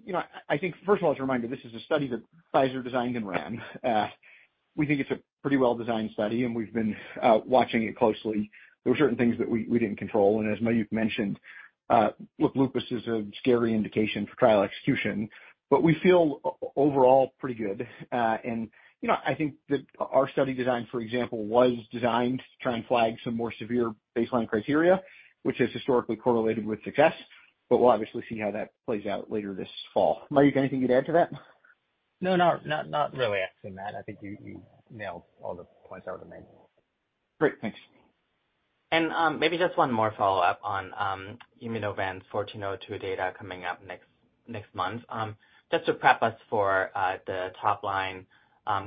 you know, I think first of all, as a reminder, this is a study that Pfizer designed and ran. We think it's a pretty well-designed study, and we've been watching it closely. There were certain things that we, we didn't control, and as Mayukh mentioned, look, lupus is a scary indication for trial execution, but we feel overall pretty good. You know, I think that our study design, for example, was designed to try and flag some more severe baseline criteria, which has historically correlated with success, but we'll obviously see how that plays out later this fall. Mayukh, anything you'd add to that? No, not, not, not really, actually, Matt. I think you, you nailed all the points I would have made. Great. Thanks. Maybe just one more follow-up on Immunovant's 1402 data coming up next, next month. Just to prep us for the top line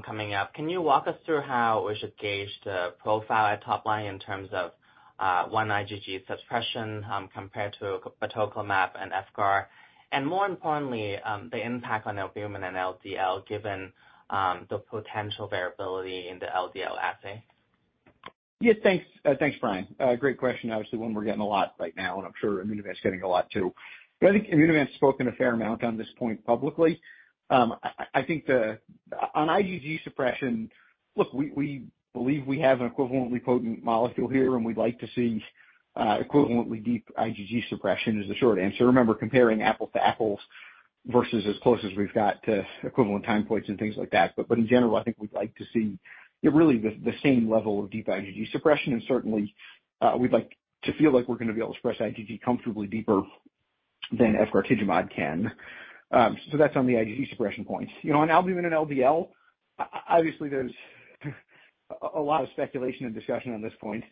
coming up, can you walk us through how we should gauge the profile at top line in terms of one IgG suppression compared to tocilizumab and FcRn, and more importantly, the impact on albumin and LDL, given the potential variability in the LDL assay? Yeah, thanks. Thanks, Brian. Great question. Obviously, one we're getting a lot right now, and I'm sure Immunovant's getting a lot too. I think Immunovant's spoken a fair amount on this point publicly. I, I, I think the... On IgG suppression, look, we, we believe we have an equivalently potent molecule here, and we'd like to see equivalently deep IgG suppression is the short answer. Remember, comparing apple to apples versus as close as we've got to equivalent time points and things like that. In general, I think we'd like to see really the, the same level of deep IgG suppression, and certainly, we'd like to feel like we're going to be able to suppress IgG comfortably deeper than efgartigimod can. That's on the IgG suppression point. You know, on albumin and LDL, obviously, there's a lot of speculation and discussion on this point.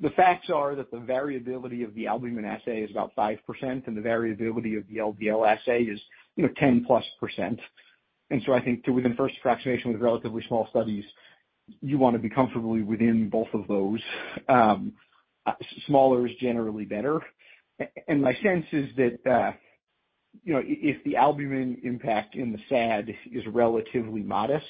The facts are that the variability of the albumin assay is about 5%, and the variability of the LDL assay is, you know, 10%+. I think to within first approximation, with relatively small studies, you want to be comfortably within both of those. Smaller is generally better. My sense is that, you know, if the albumin impact in the SAD is relatively modest,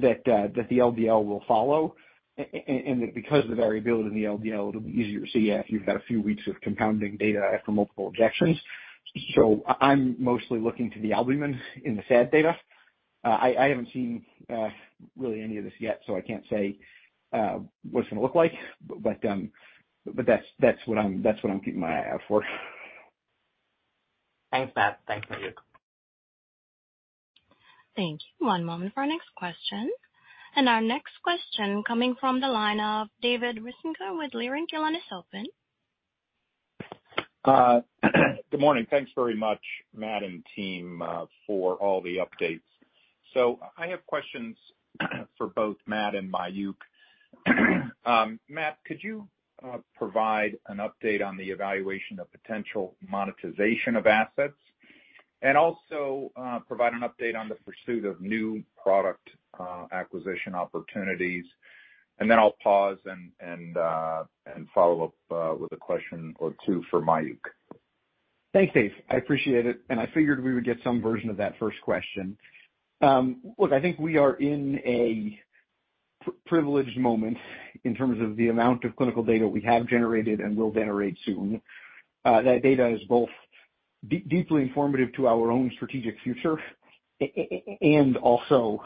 that the LDL will follow, and that because of the variability in the LDL, it'll be easier to see if you've got a few weeks of compounding data from multiple injections. I'm mostly looking to the albumin in the SAD data. I, I haven't seen really any of this yet, so I can't say what it's going to look like, but, but that's, that's what I'm, that's what I'm keeping my eye out for. Thanks, Matt. Thanks, Mayukh. Thank you. one moment for our next question. Our next question coming from the line of David Risinger with Leerink. Your line is open. Good morning. Thanks very much, Matt and team, for all the updates. I have questions for both Matt and Mayukh. Matt, could you provide an update on the evaluation of potential monetization of assets, and also, provide an update on the pursuit of new product, acquisition opportunities? Then I'll pause and follow up with a question or two for Mayukh. Thanks, Dave. I appreciate it, and I figured we would get some version of that first question. Look, I think we are in a privileged moment in terms of the amount of clinical data we have generated and will generate soon. That data is both deeply informative to our own strategic future and also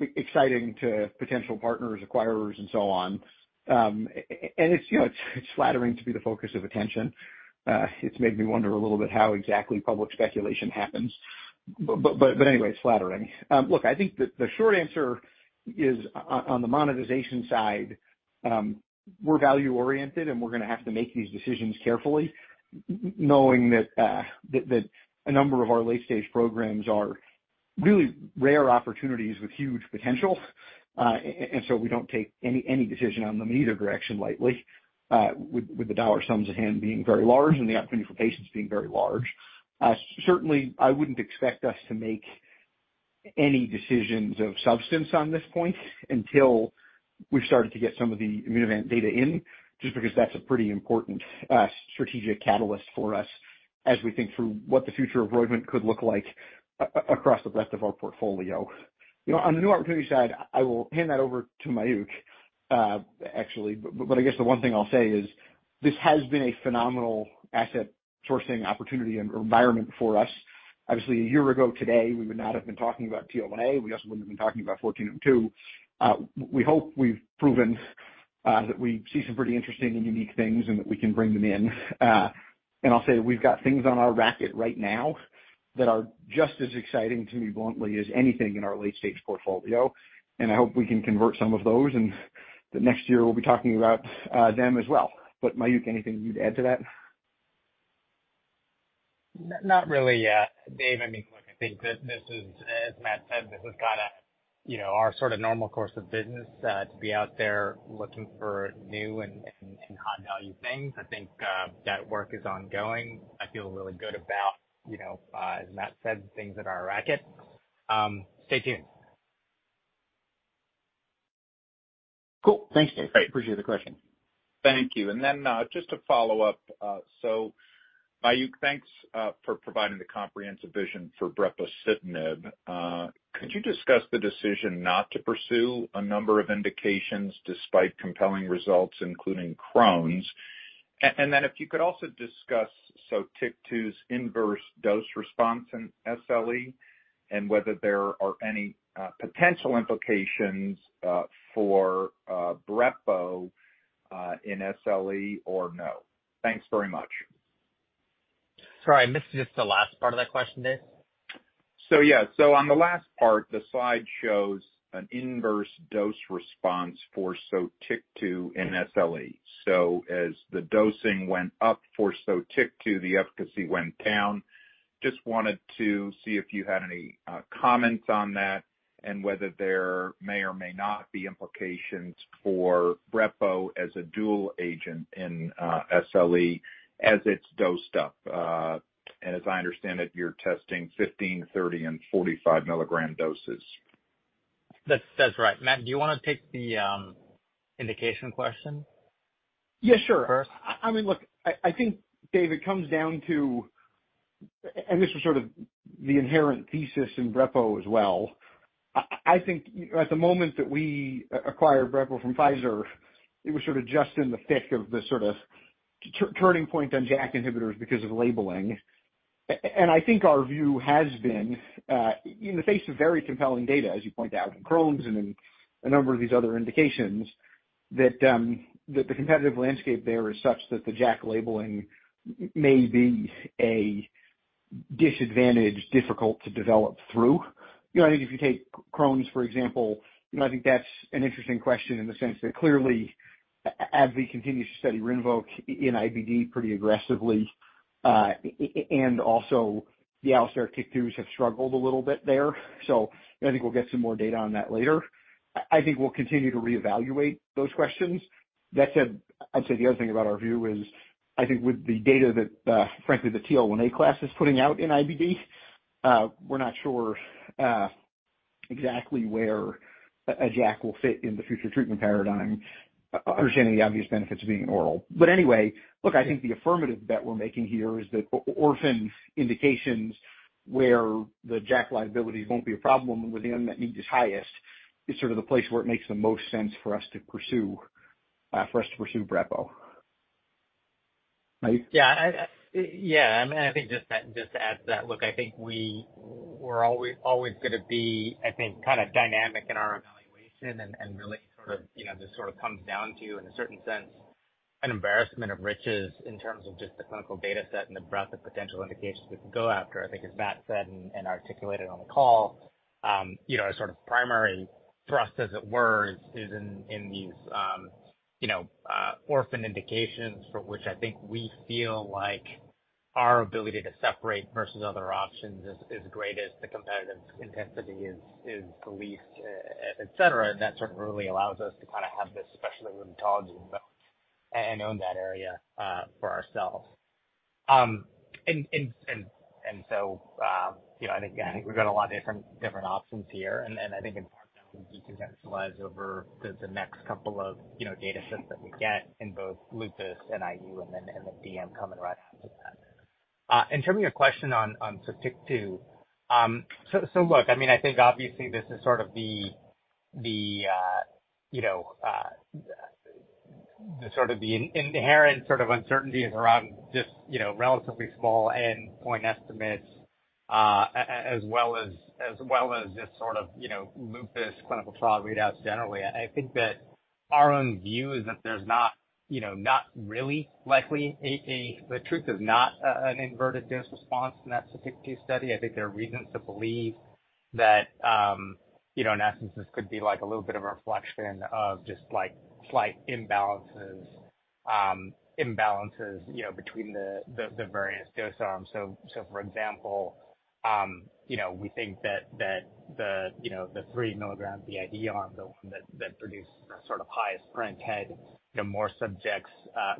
exciting to potential partners, acquirers, and so on. It's, you know, it's, it's flattering to be the focus of attention. It's made me wonder a little bit how exactly public speculation happens, but anyway, it's flattering. I think the, the short answer is on the monetization side, we're value oriented, and we're gonna have to make these decisions carefully knowing that a number of our late-stage programs are really rare opportunities with huge potential. We don't take any, any decision on them in either direction lightly, with the dollar sums at hand being very large and the opportunity for patients being very large. Certainly, I wouldn't expect us to make any decisions of substance on this point until we've started to get some of the Immunovant data in, just because that's a pretty important strategic catalyst for us as we think through what the future of Roivant could look like across the rest of our portfolio. You know, on the new opportunity side, I will hand that over to Mayukh, actually, but I guess the one thing I'll say is this has been a phenomenal asset sourcing opportunity and environment for us. Obviously, a year ago today, we would not have been talking about TL1A. We also wouldn't have been talking about IMVT-1402. We hope we've proven that we see some pretty interesting and unique things, and that we can bring them in. And I'll say that we've got things on our racket right now that are just as exciting to me, bluntly, as anything in our late-stage portfolio, and I hope we can convert some of those, and that next year we'll be talking about them as well. Mayukh, anything you'd add to that? Not really, Dave. I mean, look, I think that this is, as Matt said, this is kinda, you know, our sort of normal course of business to be out there looking for new and high-value things. I think that work is ongoing. I feel really good about, you know, as Matt said, things in our racket. Stay tuned. Cool. Thanks, Dave. I appreciate the question. Thank you. Then, just to follow up, Mayukh, thanks, for providing the comprehensive vision for brepocitinib. Could you discuss the decision not to pursue a number of indications despite compelling results, including Crohn's? Then if you could also discuss Sotyktu's inverse dose response in SLE, and whether there are any potential implications for brepo in SLE or no? Thanks very much. Sorry, I missed just the last part of that question, Dave. Yeah. On the last part, the slide shows an inverse dose response for Sotyktu in SLE. As the dosing went up for Sotyktu, the efficacy went down. Just wanted to see if you had any comments on that, and whether there may or may not be implications for brepocitinib as a dual agent in SLE as it's dosed up. As I understand it, you're testing 15, 30, and 45 milligram doses. That's, that's right. Matt, do you wanna take the indication question? Yeah, sure. First. I mean, look, I, I think, Dave, it comes down to. This was sort of the inherent thesis in brepo as well. I think at the moment that we acquired brepo from Pfizer, it was sort of just in the thick of the sort of turning point on JAK inhibitors because of labeling. I think our view has been in the face of very compelling data, as you point out, in Crohn's and in a number of these other indications, that the competitive landscape there is such that the JAK labeling may be a disadvantage, difficult to develop through. You know, I think if you take Crohn's, for example, you know, I think that's an interesting question in the sense that clearly, AbbVie continues to study Rinvoq in IBD pretty aggressively, and also, the oral Sotyktu have struggled a little bit there. I think we'll get some more data on that later. I think we'll continue to reevaluate those questions. That said, I'd say the other thing about our view is, I think with the data that, frankly, the TL1A class is putting out in IBD, we're not sure exactly where a JAK will fit in the future treatment paradigm, understanding the obvious benefits of being oral. Anyway, look, I think the affirmative bet we're making here is that orphan indications where the JAK liabilities won't be a problem within that need is highest, is sort of the place where it makes the most sense for us to pursue, for us to pursue Brepo. Mayukh? Yeah, I mean, I think just, just to add to that, look, I think we're always, always gonna be, I think, kind of dynamic in our evaluation and, and really sort of, you know, this sort of comes down to, in a certain sense, an embarrassment of riches in terms of just the clinical data set and the breadth of potential indications we can go after. I think as Matt said, and, and articulated on the call, you know, our sort of primary thrust, as it were, is, is in, in these, you know, orphan indications for which I think we feel like our ability to separate versus other options is, is greatest, the competitive intensity is, is the least, et cetera. That sort of really allows us to kind of have this specialty rheumatology and own that area, for ourselves. You know, I think, I think we've got a lot of different, different options here. I think in part that will de-centralize over the next couple of, you know, data sets that we get in both lupus and IU, and then, and then DM coming right after that. In terms of your question on Sotyktu, look, I mean, I think obviously this is sort of the, the, you know, the sort of the inherent sort of uncertainties around just, you know, relatively small endpoint estimates, as well as just sort of, you know, lupus clinical trial readouts generally. I think that our own view is that there's not, you know, not really likely the truth is not an inverted dose response in that Sotyktu study. I think there are reasons to believe that, you know, in essence, this could be like a little bit of a reflection of just, like, slight imbalances, imbalances, you know, between the various dose arms. For example, you know, we think that the, you know, the 3 mg, the ID arm, the one that produced the sort of highest print head, had more subjects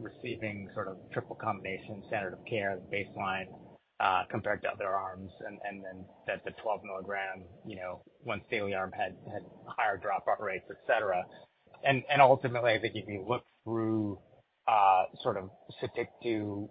receiving sort of triple combination standard of care as baseline compared to other arms. Then that the 12 mg, you know, once-daily arm had higher dropout rates, et cetera. Ultimately, I think if you look through sort of Sotyktu,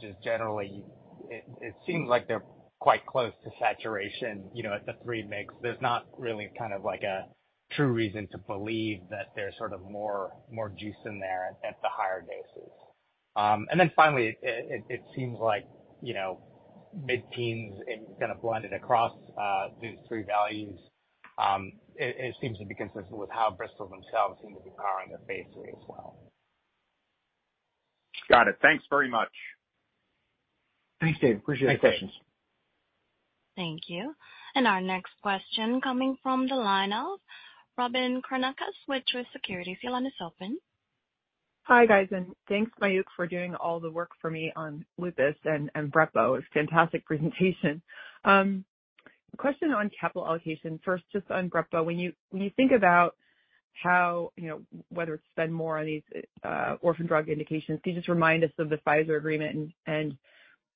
just generally, it seems like they're quite close to saturation, you know, at the three mix. There's not really kind of like a true reason to believe that there's sort of more, more juice in there at the higher doses. Finally, it seems like, you know, mid-teens, it kind of blended across these three values. It seems to be consistent with how Bristol themselves seem to be powering their phase III as well. Got it. Thanks very much. Thanks, Dave. Appreciate the questions. Thanks. Thank you. Our next question coming from the line of Robyn Karnauskas with Truist Securities, your line is open. Hi, guys, thanks, Mayukh, for doing all the work for me on lupus and brepọ. It's a fantastic presentation. Question on capital allocation. First, just on brepọ. When you, when you think about how, you know, whether to spend more on these orphan drug indications, can you just remind us of the Pfizer agreement and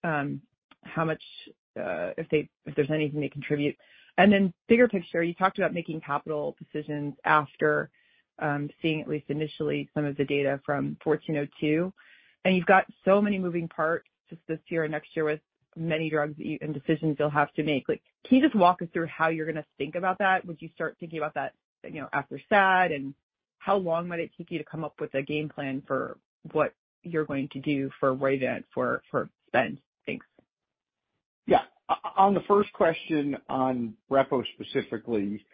how much, if there's anything they contribute? Then bigger picture, you talked about making capital decisions after seeing at least initially, some of the data from IMVT-1402, and you've got so many moving parts just this year and next year with many drugs and decisions you'll have to make. Like, can you just walk us through how you're going to think about that? Would you start thinking about that, you know, after SAD, and how long might it take you to come up with a game plan for what you're going to do for Roivant, for, for spend? Thanks. Yeah. On the first question, on Brepo specifically,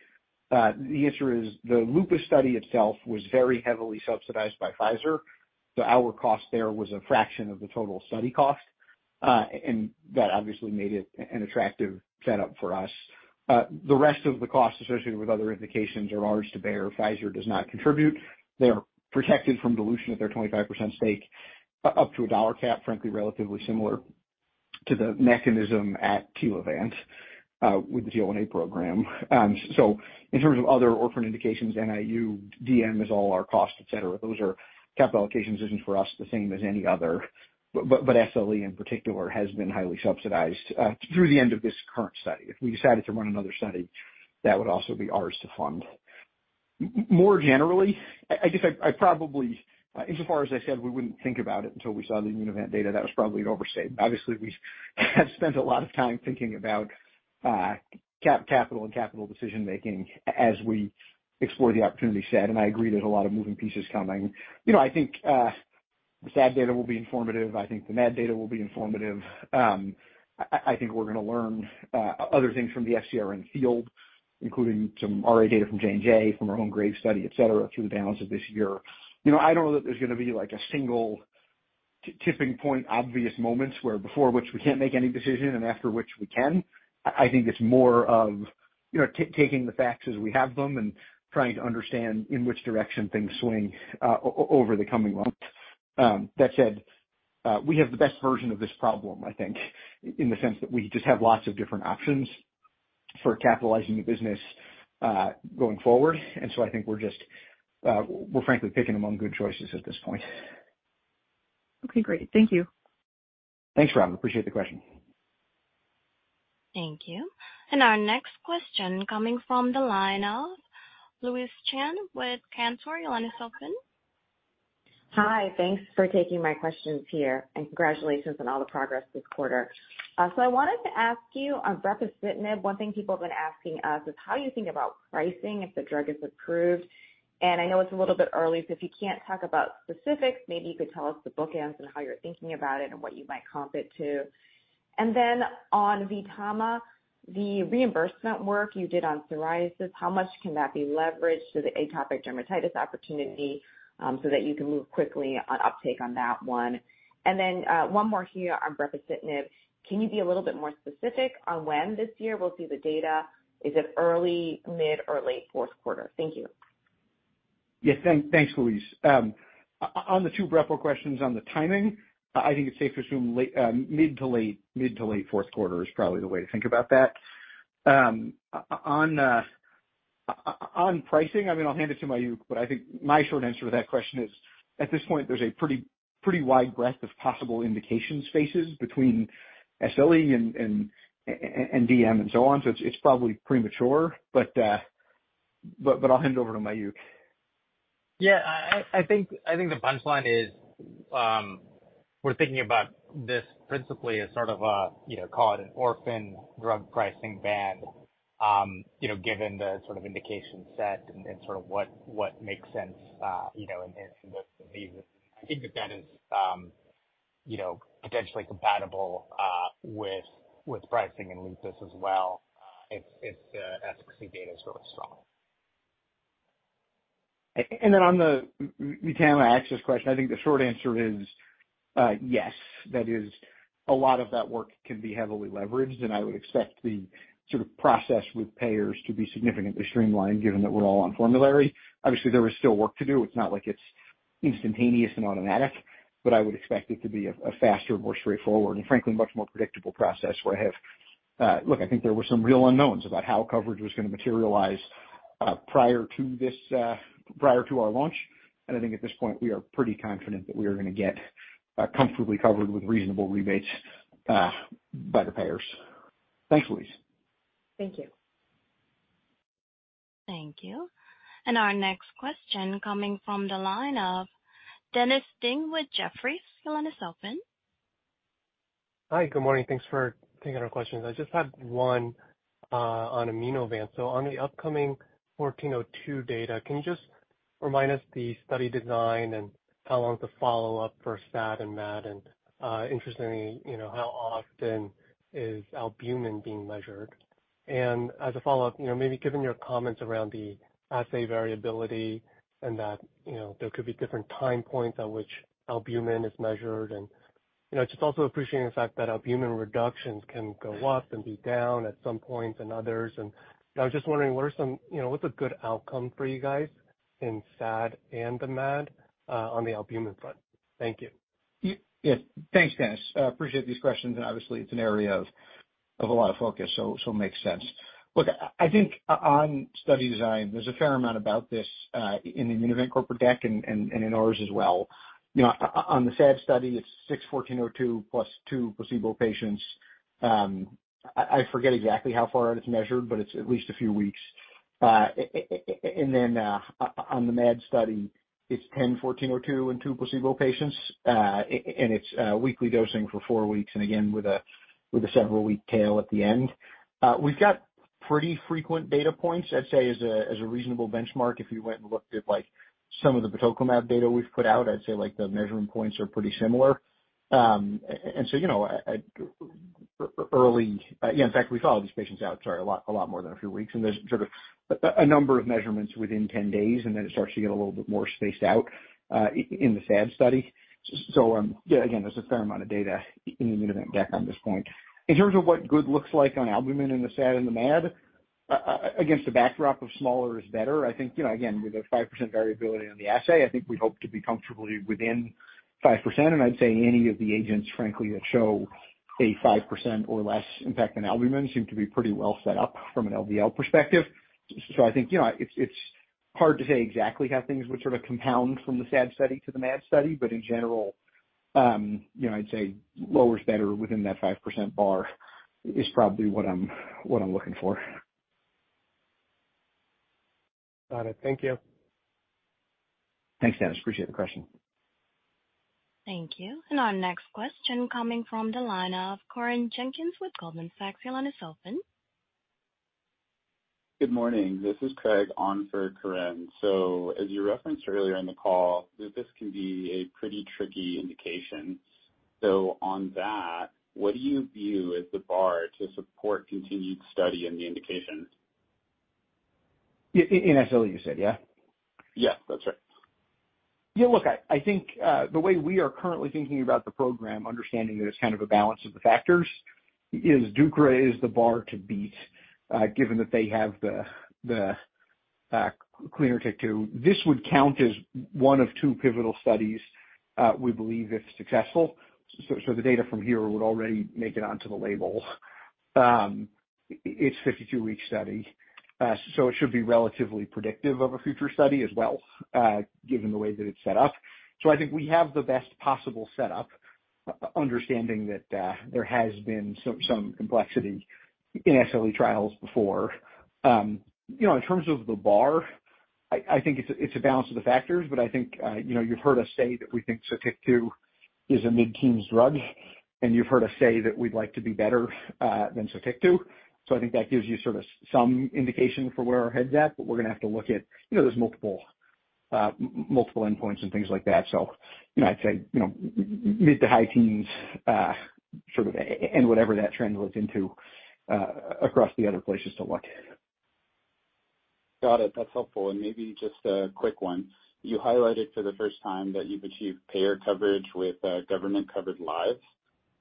the answer is the lupus study itself was very heavily subsidized by Pfizer, so our cost there was a fraction of the total study cost, and that obviously made it an attractive setup for us. The rest of the costs associated with other indications are ours to bear. Pfizer does not contribute. They're protected from dilution at their 25% stake up to a dollar cap, frankly, relatively similar to the mechanism at Telavant, with the TL1A program. So in terms of other orphan indications, NIU, DM is all our cost, et cetera. Those are capital allocation decisions for us, the same as any other, but SLE in particular, has been highly subsidized, through the end of this current study. If we decided to run another study, that would also be ours to fund. More generally, I guess I probably, insofar as I said, we wouldn't think about it until we saw the Immunovant data. That was probably an overstatement. Obviously, we have spent a lot of time thinking about capital and capital decision making as we explore the opportunity set, and I agree there's a lot of moving pieces coming. You know, I think the SAD data will be informative. I think the MAD data will be informative. I think we're going to learn other things from the FcRn in the field, including some RA data from J&J, from our own GRAVE study, et cetera, through the balance of this year. You know, I don't know that there's going to be, like, a single tipping point, obvious moments where before which we can't make any decision and after which we can. I, I think it's more of, you know, taking the facts as we have them and trying to understand in which direction things swing over the coming months. That said, we have the best version of this problem, I think, in the sense that we just have lots of different options for capitalizing the business going forward. So I think we're just, we're frankly picking among good choices at this point. Okay, great. Thank you. Thanks, Robyn. Appreciate the question. Thank you. Our next question coming from the line of Louise Chen with Cantor. Your line is open. Hi. Thanks for taking my questions here, and congratulations on all the progress this quarter. I wanted to ask you on brepocitinib, one thing people have been asking us is how you think about pricing if the drug is approved. I know it's a little bit early, so if you can't talk about specifics, maybe you could tell us the bookends and how you're thinking about it and what you might comp it to. Then on VTAMA, the reimbursement work you did on psoriasis, how much can that be leveraged to the atopic dermatitis opportunity, so that you can move quickly on uptake on that one? Then, one more here on brepocitinib. Can you be a little bit more specific on when this year we'll see the data? Is it early, mid, or late fourth quarter? Thank you. Yes, thank, thanks, Louise. On the two brepo questions on the timing, I think it's safe to assume late, mid to late, mid to late fourth quarter is probably the way to think about that. On pricing, I mean, I'll hand it to Mayukh, but I think my short answer to that question is, at this point, there's a pretty, pretty wide breadth of possible indication spaces between SLE and DM and so on. It's, it's probably premature, but, but I'll hand it over to Mayukh. Yeah, I, I, I think, I think the punchline is, we're thinking about this principally as sort of a, you know, call it an orphan drug pricing band, you know, given the sort of indication set and, and sort of what, what makes sense, you know, in this, these. I think that that is, you know, potentially compatible with, with pricing and lupus as well, if, if the efficacy data is really strong. On the VTAMA question, I think the short answer is yes. That is, a lot of that work can be heavily leveraged, and I would expect the sort of process with payers to be significantly streamlined, given that we're all on formulary. Obviously, there is still work to do. It's not like it's instantaneous and automatic, but I would expect it to be a faster, more straightforward and frankly, much more predictable process where I have... Look, I think there were some real unknowns about how coverage was going to materialize prior to this, prior to our launch. I think at this point, we are pretty confident that we are going to get comfortably covered with reasonable rebates by the payers. Thanks, Louise. Thank you. Thank you. Our next question coming from the line of Dennis Ding with Jefferies. Your line is open. Hi, good morning. Thanks for taking our questions. I just had one on Immunovant. On the upcoming 1402 data, can you just remind us the study design and how long the follow-up for SAD and MAD? Interestingly, you know, how often is albumin being measured? As a follow-up, you know, maybe given your comments around the assay variability and that, you know, there could be different time points at which albumin is measured, and, you know, just also appreciating the fact that albumin reductions can go up and be down at some points than others. I was just wondering, what are some, you know, what's a good outcome for you guys in SAD and the MAD, on the albumin front? Thank you. Yes. Thanks, Dennis. I appreciate these questions. Obviously, it's an area of a lot of focus, so it makes sense. Look, I, I think on study design, there's a fair amount about this in the Immunovant corporate deck and in ours as well. You know, on the SAD study, it's six 1402 plus two placebo patients. I, I forget exactly how far out it's measured, but it's at least a few weeks. Then, on the MAD study, it's 10 1402 and two placebo patients, and it's weekly dosing for four weeks, and again, with a several-week tail at the end. We've got pretty frequent data points. I'd say as a reasonable benchmark, if you went and looked at some of the tocilizumab data we've put out, I'd say the measuring points are pretty similar. You know, yeah, in fact, we follow these patients out, sorry, a lot, a lot more than a few weeks, and there's sort of a number of measurements within 10 days, and then it starts to get a little bit more spaced out in the SAD study. Yeah, again, there's a fair amount of data in the Immunovant deck on this point. In terms of what good looks like on albumin in the SAD and the MAD, against a backdrop of smaller is better, I think, you know, again, with a 5% variability on the assay, I think we hope to be comfortably within 5%. I'd say any of the agents, frankly, that show a 5% or less impact on albumin seem to be pretty well set up from an LVL perspective. I think, you know, it's, it's hard to say exactly how things would sort of compound from the SAD study to the MAD study, but in general, you know, I'd say lower is better within that 5% bar is probably what I'm, what I'm looking for. Got it. Thank you. Thanks, Dennis. Appreciate the question. Thank you. Our next question coming from the line of Corinne Jenkins with Goldman Sachs. Your line is open. Good morning. This is Craig on for Corinne. As you referenced earlier in the call, that this can be a pretty tricky indication. On that, what do you view as the bar to support continued study in the indication? In SLE, you said, yeah? Yes, that's right. Yeah, look, I, I think, the way we are currently thinking about the program, understanding that it's kind of a balance of the factors, is deucravacitinib is the bar to beat, given that they have the, the, cleaner TYK2. This would count as one of two pivotal studies, we believe, if successful. So, so the data from here would already make it onto the label. It's a 52-week study, so it should be relatively predictive of a future study as well, given the way that it's set up. I think we have the best possible setup, understanding that, there has been some, some complexity in SLE trials before. You know, in terms of the bar, I, I think it's a, it's a balance of the factors, but I think, you know, you've heard us say that we think Sotyktu is a mid-teens drug, and you've heard us say that we'd like to be better than Sotyktu. I think that gives you sort of some indication for where our head's at, but we're going to have to look at, you know, there's multiple factors. Multiple endpoints and things like that. You know, I'd say, you know, mid to high teens, sort of, and whatever that trend looks into, across the other places to look. Got it. That's helpful. Maybe just a quick one. You highlighted for the first time that you've achieved payer coverage with government covered lives.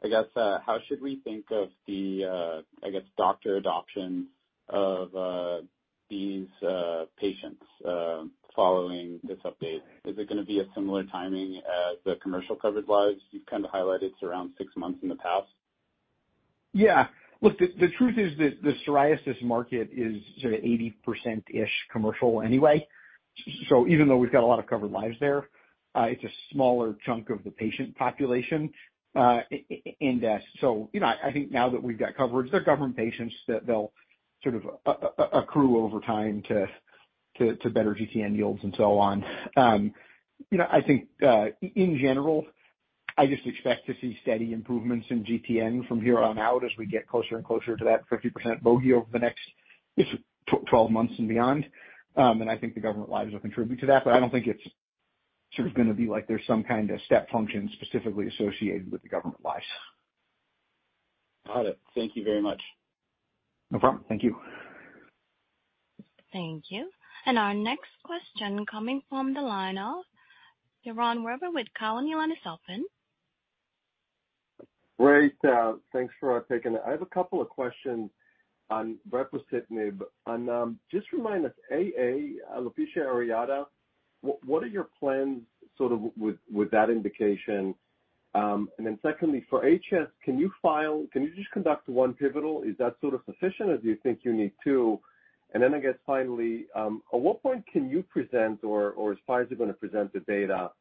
I guess, how should we think of the I guess doctor adoption of these patients following this update? Is it going to be a similar timing as the commercial covered lives? You've kind of highlighted it's around six months in the past. Yeah. Look, the, the truth is that the psoriasis market is sort of 80%-ish commercial anyway. Even though we've got a lot of covered lives there, it's a smaller chunk of the patient population. You know, I think now that we've got coverage, they're government patients, that they'll sort of accrete over time to, to, to better GTN yields and so on. You know, I think in general, I just expect to see steady improvements in GTN from here on out as we get closer and closer to that 50% bogey over the next, it's 12 months and beyond. I think the government lives will contribute to that, but I don't think it's sort of gonna be like there's some kind of step function specifically associated with the government lives. Got it. Thank you very much. No problem. Thank you. Thank you. Our next question coming from the line of Yaron Werber with Cowen. Your line is open. Great, thanks for taking it. I have a couple of questions on brepocitinib. On, just remind us, AA, alopecia areata, what are your plans sort of with, with that indication? Secondly, for HS, can you file-- can you just conduct one pivotal? Is that sort of sufficient or do you think you need two? Then I guess, finally, at what point can you present or, or is Pfizer gonna present the data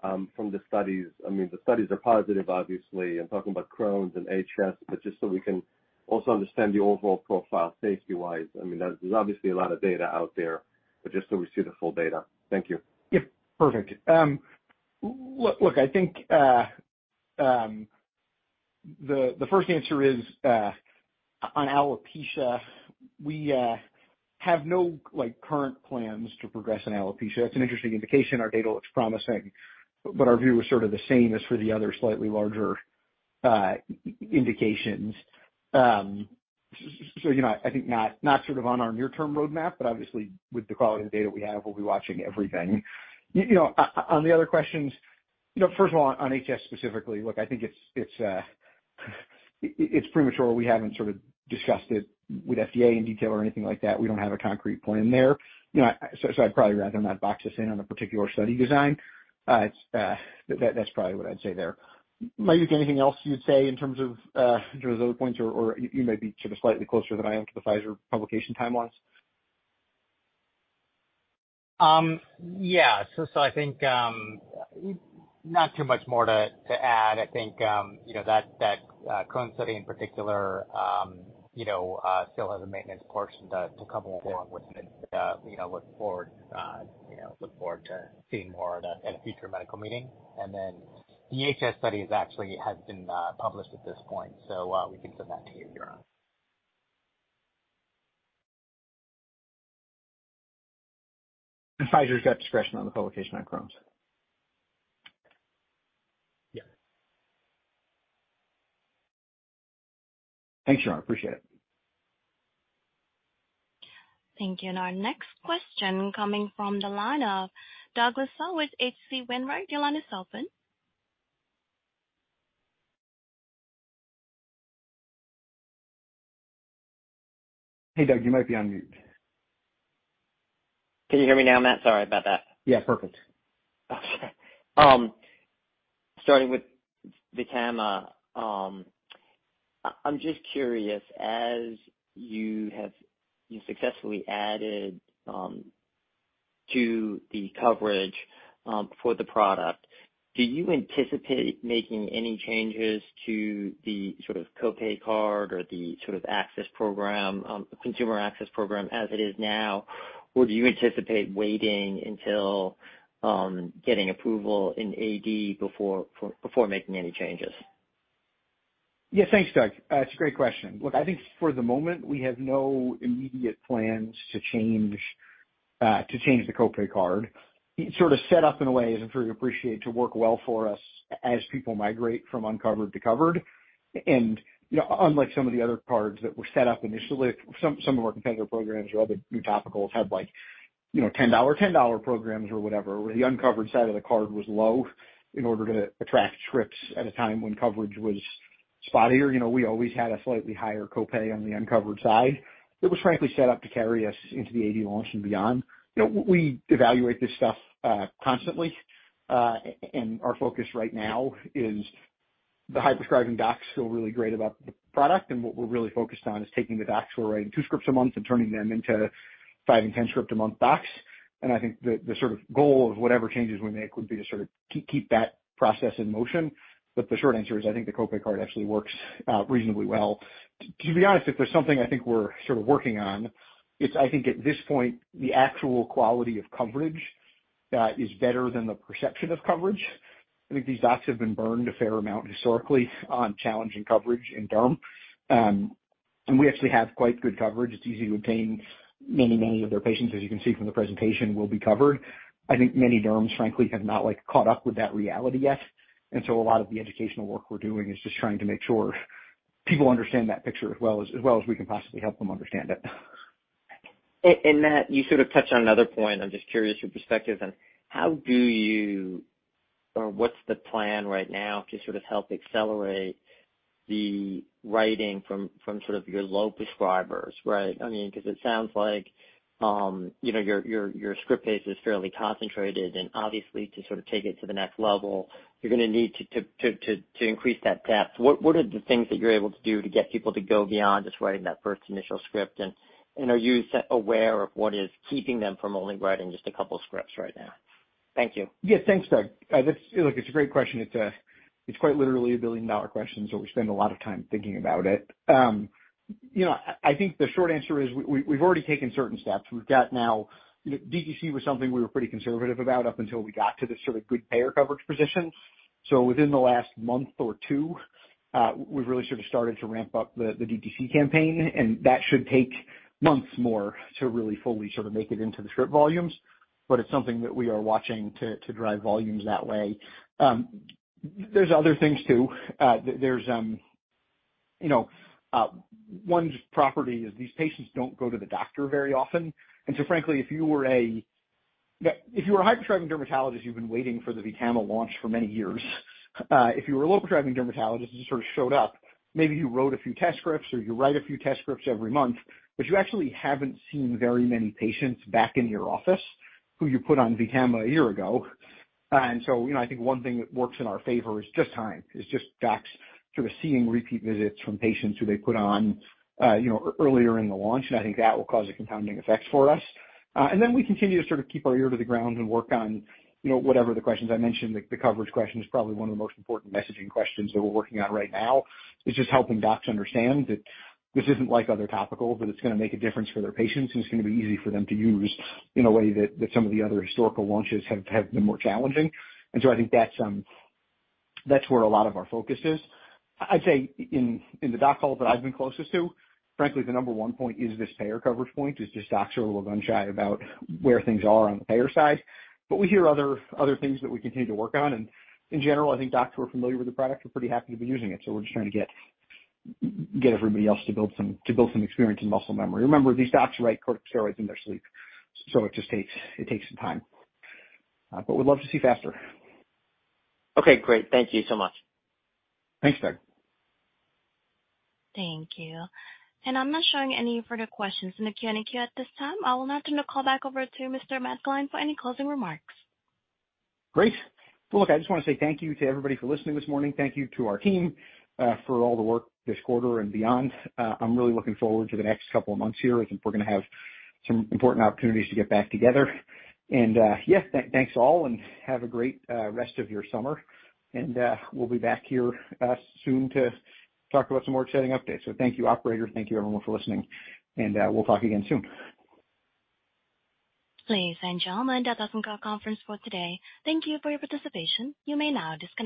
from the studies? I mean, the studies are positive, obviously, I'm talking about Crohn's and HS, but just so we can also understand the overall profile safety-wise. I mean, there's obviously a lot of data out there, but just so we see the full data. Thank you. Yep, perfect. Look, I think the first answer is on alopecia, we have no, like, current plans to progress in alopecia. That's an interesting indication. Our data looks promising, but our view is sort of the same as for the other slightly larger indications. You know, I think not, not sort of on our near-term roadmap, but obviously with the quality of the data we have, we'll be watching everything. You know, on the other questions, you know, first of all, on HS specifically, look, I think it's premature. We haven't sort of discussed it with FDA in detail or anything like that. We don't have a concrete plan there. You know, I'd probably rather not box us in on a particular study design. It's that, that's probably what I'd say there. Mayukh, anything else you'd say in terms of, in terms of other points or, or you may be sort of slightly closer than I am to the Pfizer publication timelines? Yeah. I think not too much more to add. I think, you know, that, that current study in particular, you know, still has a maintenance portion to come along with, you know, look forward, you know, look forward to seeing more at a future medical meeting. The HS study is actually has been published at this point, so we can send that to you, Yaron. Pfizer's got discretion on the publication on Crohn's. Yeah. Thanks, Yaron. Appreciate it. Thank you. Our next question coming from the line of Douglas Tsao with H.C. Wainwright. Your line is open. Hey, Doug, you might be on mute. Can you hear me now, Matt? Sorry about that. Yeah, perfect. Okay. Starting with VTAMA, I'm just curious, as you have, you successfully added to the coverage for the product, do you anticipate making any changes to the sort of co-pay card or the sort of access program, consumer access program as it is now? Or do you anticipate waiting until getting approval in AD before, before making any changes? Yeah. Thanks, Doug. It's a great question. Look, I think for the moment, we have no immediate plans to change, to change the copay card. It sort of set up in a way, as I'm sure you appreciate, to work well for us as people migrate from uncovered to covered. You know, unlike some of the other cards that were set up initially, some, some of our competitor programs or other new topicals had like, you know, $10, $10 programs or whatever, where the uncovered side of the card was low in order to attract scripts at a time when coverage was spottier. You know, we always had a slightly higher copay on the uncovered side. It was frankly set up to carry us into the AD launch and beyond. You know, we evaluate this stuff, constantly, and our focus right now is the high prescribing docs feel really great about the product, and what we're really focused on is taking the docs who are writing two scripts a month and turning them into five and 10 script a month docs. I think the, the sort of goal of whatever changes we make would be to sort of keep that process in motion. The short answer is, I think the co-pay card actually works, reasonably well. To be honest, if there's something I think we're sort of working on, it's I think at this point, the actual quality of coverage, is better than the perception of coverage. I think these docs have been burned a fair amount historically on challenging coverage in derm. We actually have quite good coverage. It's easy to obtain. Many, many of their patients, as you can see from the presentation, will be covered. I think many derms, frankly, have not, like, caught up with that reality yet. A lot of the educational work we're doing is just trying to make sure people understand that picture as well as, as well as we can possibly help them understand it. Matt, you sort of touched on another point. I'm just curious your perspective on how do you or what's the plan right now to sort of help accelerate the writing from, from sort of your low prescribers, right? I mean, because it sounds like, you know, your, your, your script base is fairly concentrated, and obviously, to sort of take it to the next level, you're gonna need to increase that depth. What are the things that you're able to do to get people to go beyond just writing that first initial script? Are you aware of what is keeping them from only writing just a couple scripts right now? Thank you. Yeah, thanks, Doug. That's. Look, it's a great question. It's quite literally a billion-dollar question, so we spend a lot of time thinking about it. You know, I think the short answer is we've already taken certain steps. We've got now. You know, DTC was something we were pretty conservative about up until we got to this sort of good payer coverage position. Within the last month or two, we've really sort of started to ramp up the, the DTC campaign, and that should take months more to really fully sort of make it into the script volumes, but it's something that we are watching to, to drive volumes that way. There's other things, too. There's, you know, one property is these patients don't go to the doctor very often. Frankly, if you were a hyper-driving dermatologist, you've been waiting for the VTAMA launch for many years. If you were a low-driving dermatologist, you sort of showed up, maybe you wrote a few test scripts, or you write a few test scripts every month, but you actually haven't seen very many patients back in your office who you put on VTAMA a year ago. You know, I think one thing that works in our favor is just time, is just docs sort of seeing repeat visits from patients who they put on, you know, earlier in the launch. I think that will cause a compounding effect for us. We continue to sort of keep our ear to the ground and work on, you know, whatever the questions I mentioned. The coverage question is probably one of the most important messaging questions that we're working on right now, is just helping docs understand that this isn't like other topicals, but it's gonna make a difference for their patients, and it's gonna be easy for them to use in a way that, that some of the other historical launches have, have been more challenging. I think that's, that's where a lot of our focus is. I'd say in, in the doc calls that I've been closest to, frankly, the number 1 point is this payer coverage point, is just docs are a little gun-shy about where things are on the payer side. We hear other, other things that we continue to work on, and in general, I think docs who are familiar with the product are pretty happy to be using it, so we're just trying to get, get everybody else to build some, to build some experience and muscle memory. Remember, these docs write corticosteroids in their sleep, so it just takes, it takes some time. We'd love to see faster. Okay, great. Thank you so much. Thanks, Doug. Thank you. I'm not showing any further questions in the Q&A queue at this time. I will now turn the call back over to Mr. Matt Gline for any closing remarks. Great! Well, look, I just want to say thank you to everybody for listening this morning. Thank you to our team, for all the work this quarter and beyond. I'm really looking forward to the next couple of months here. I think we're gonna have some important opportunities to get back together. Yes, thanks, all, and have a great rest of your summer. We'll be back here soon to talk about some more exciting updates. Thank you, operator. Thank you, everyone, for listening, and we'll talk again soon. Ladies and gentlemen, that ends our conference call for today. Thank you for your participation. You may now disconnect.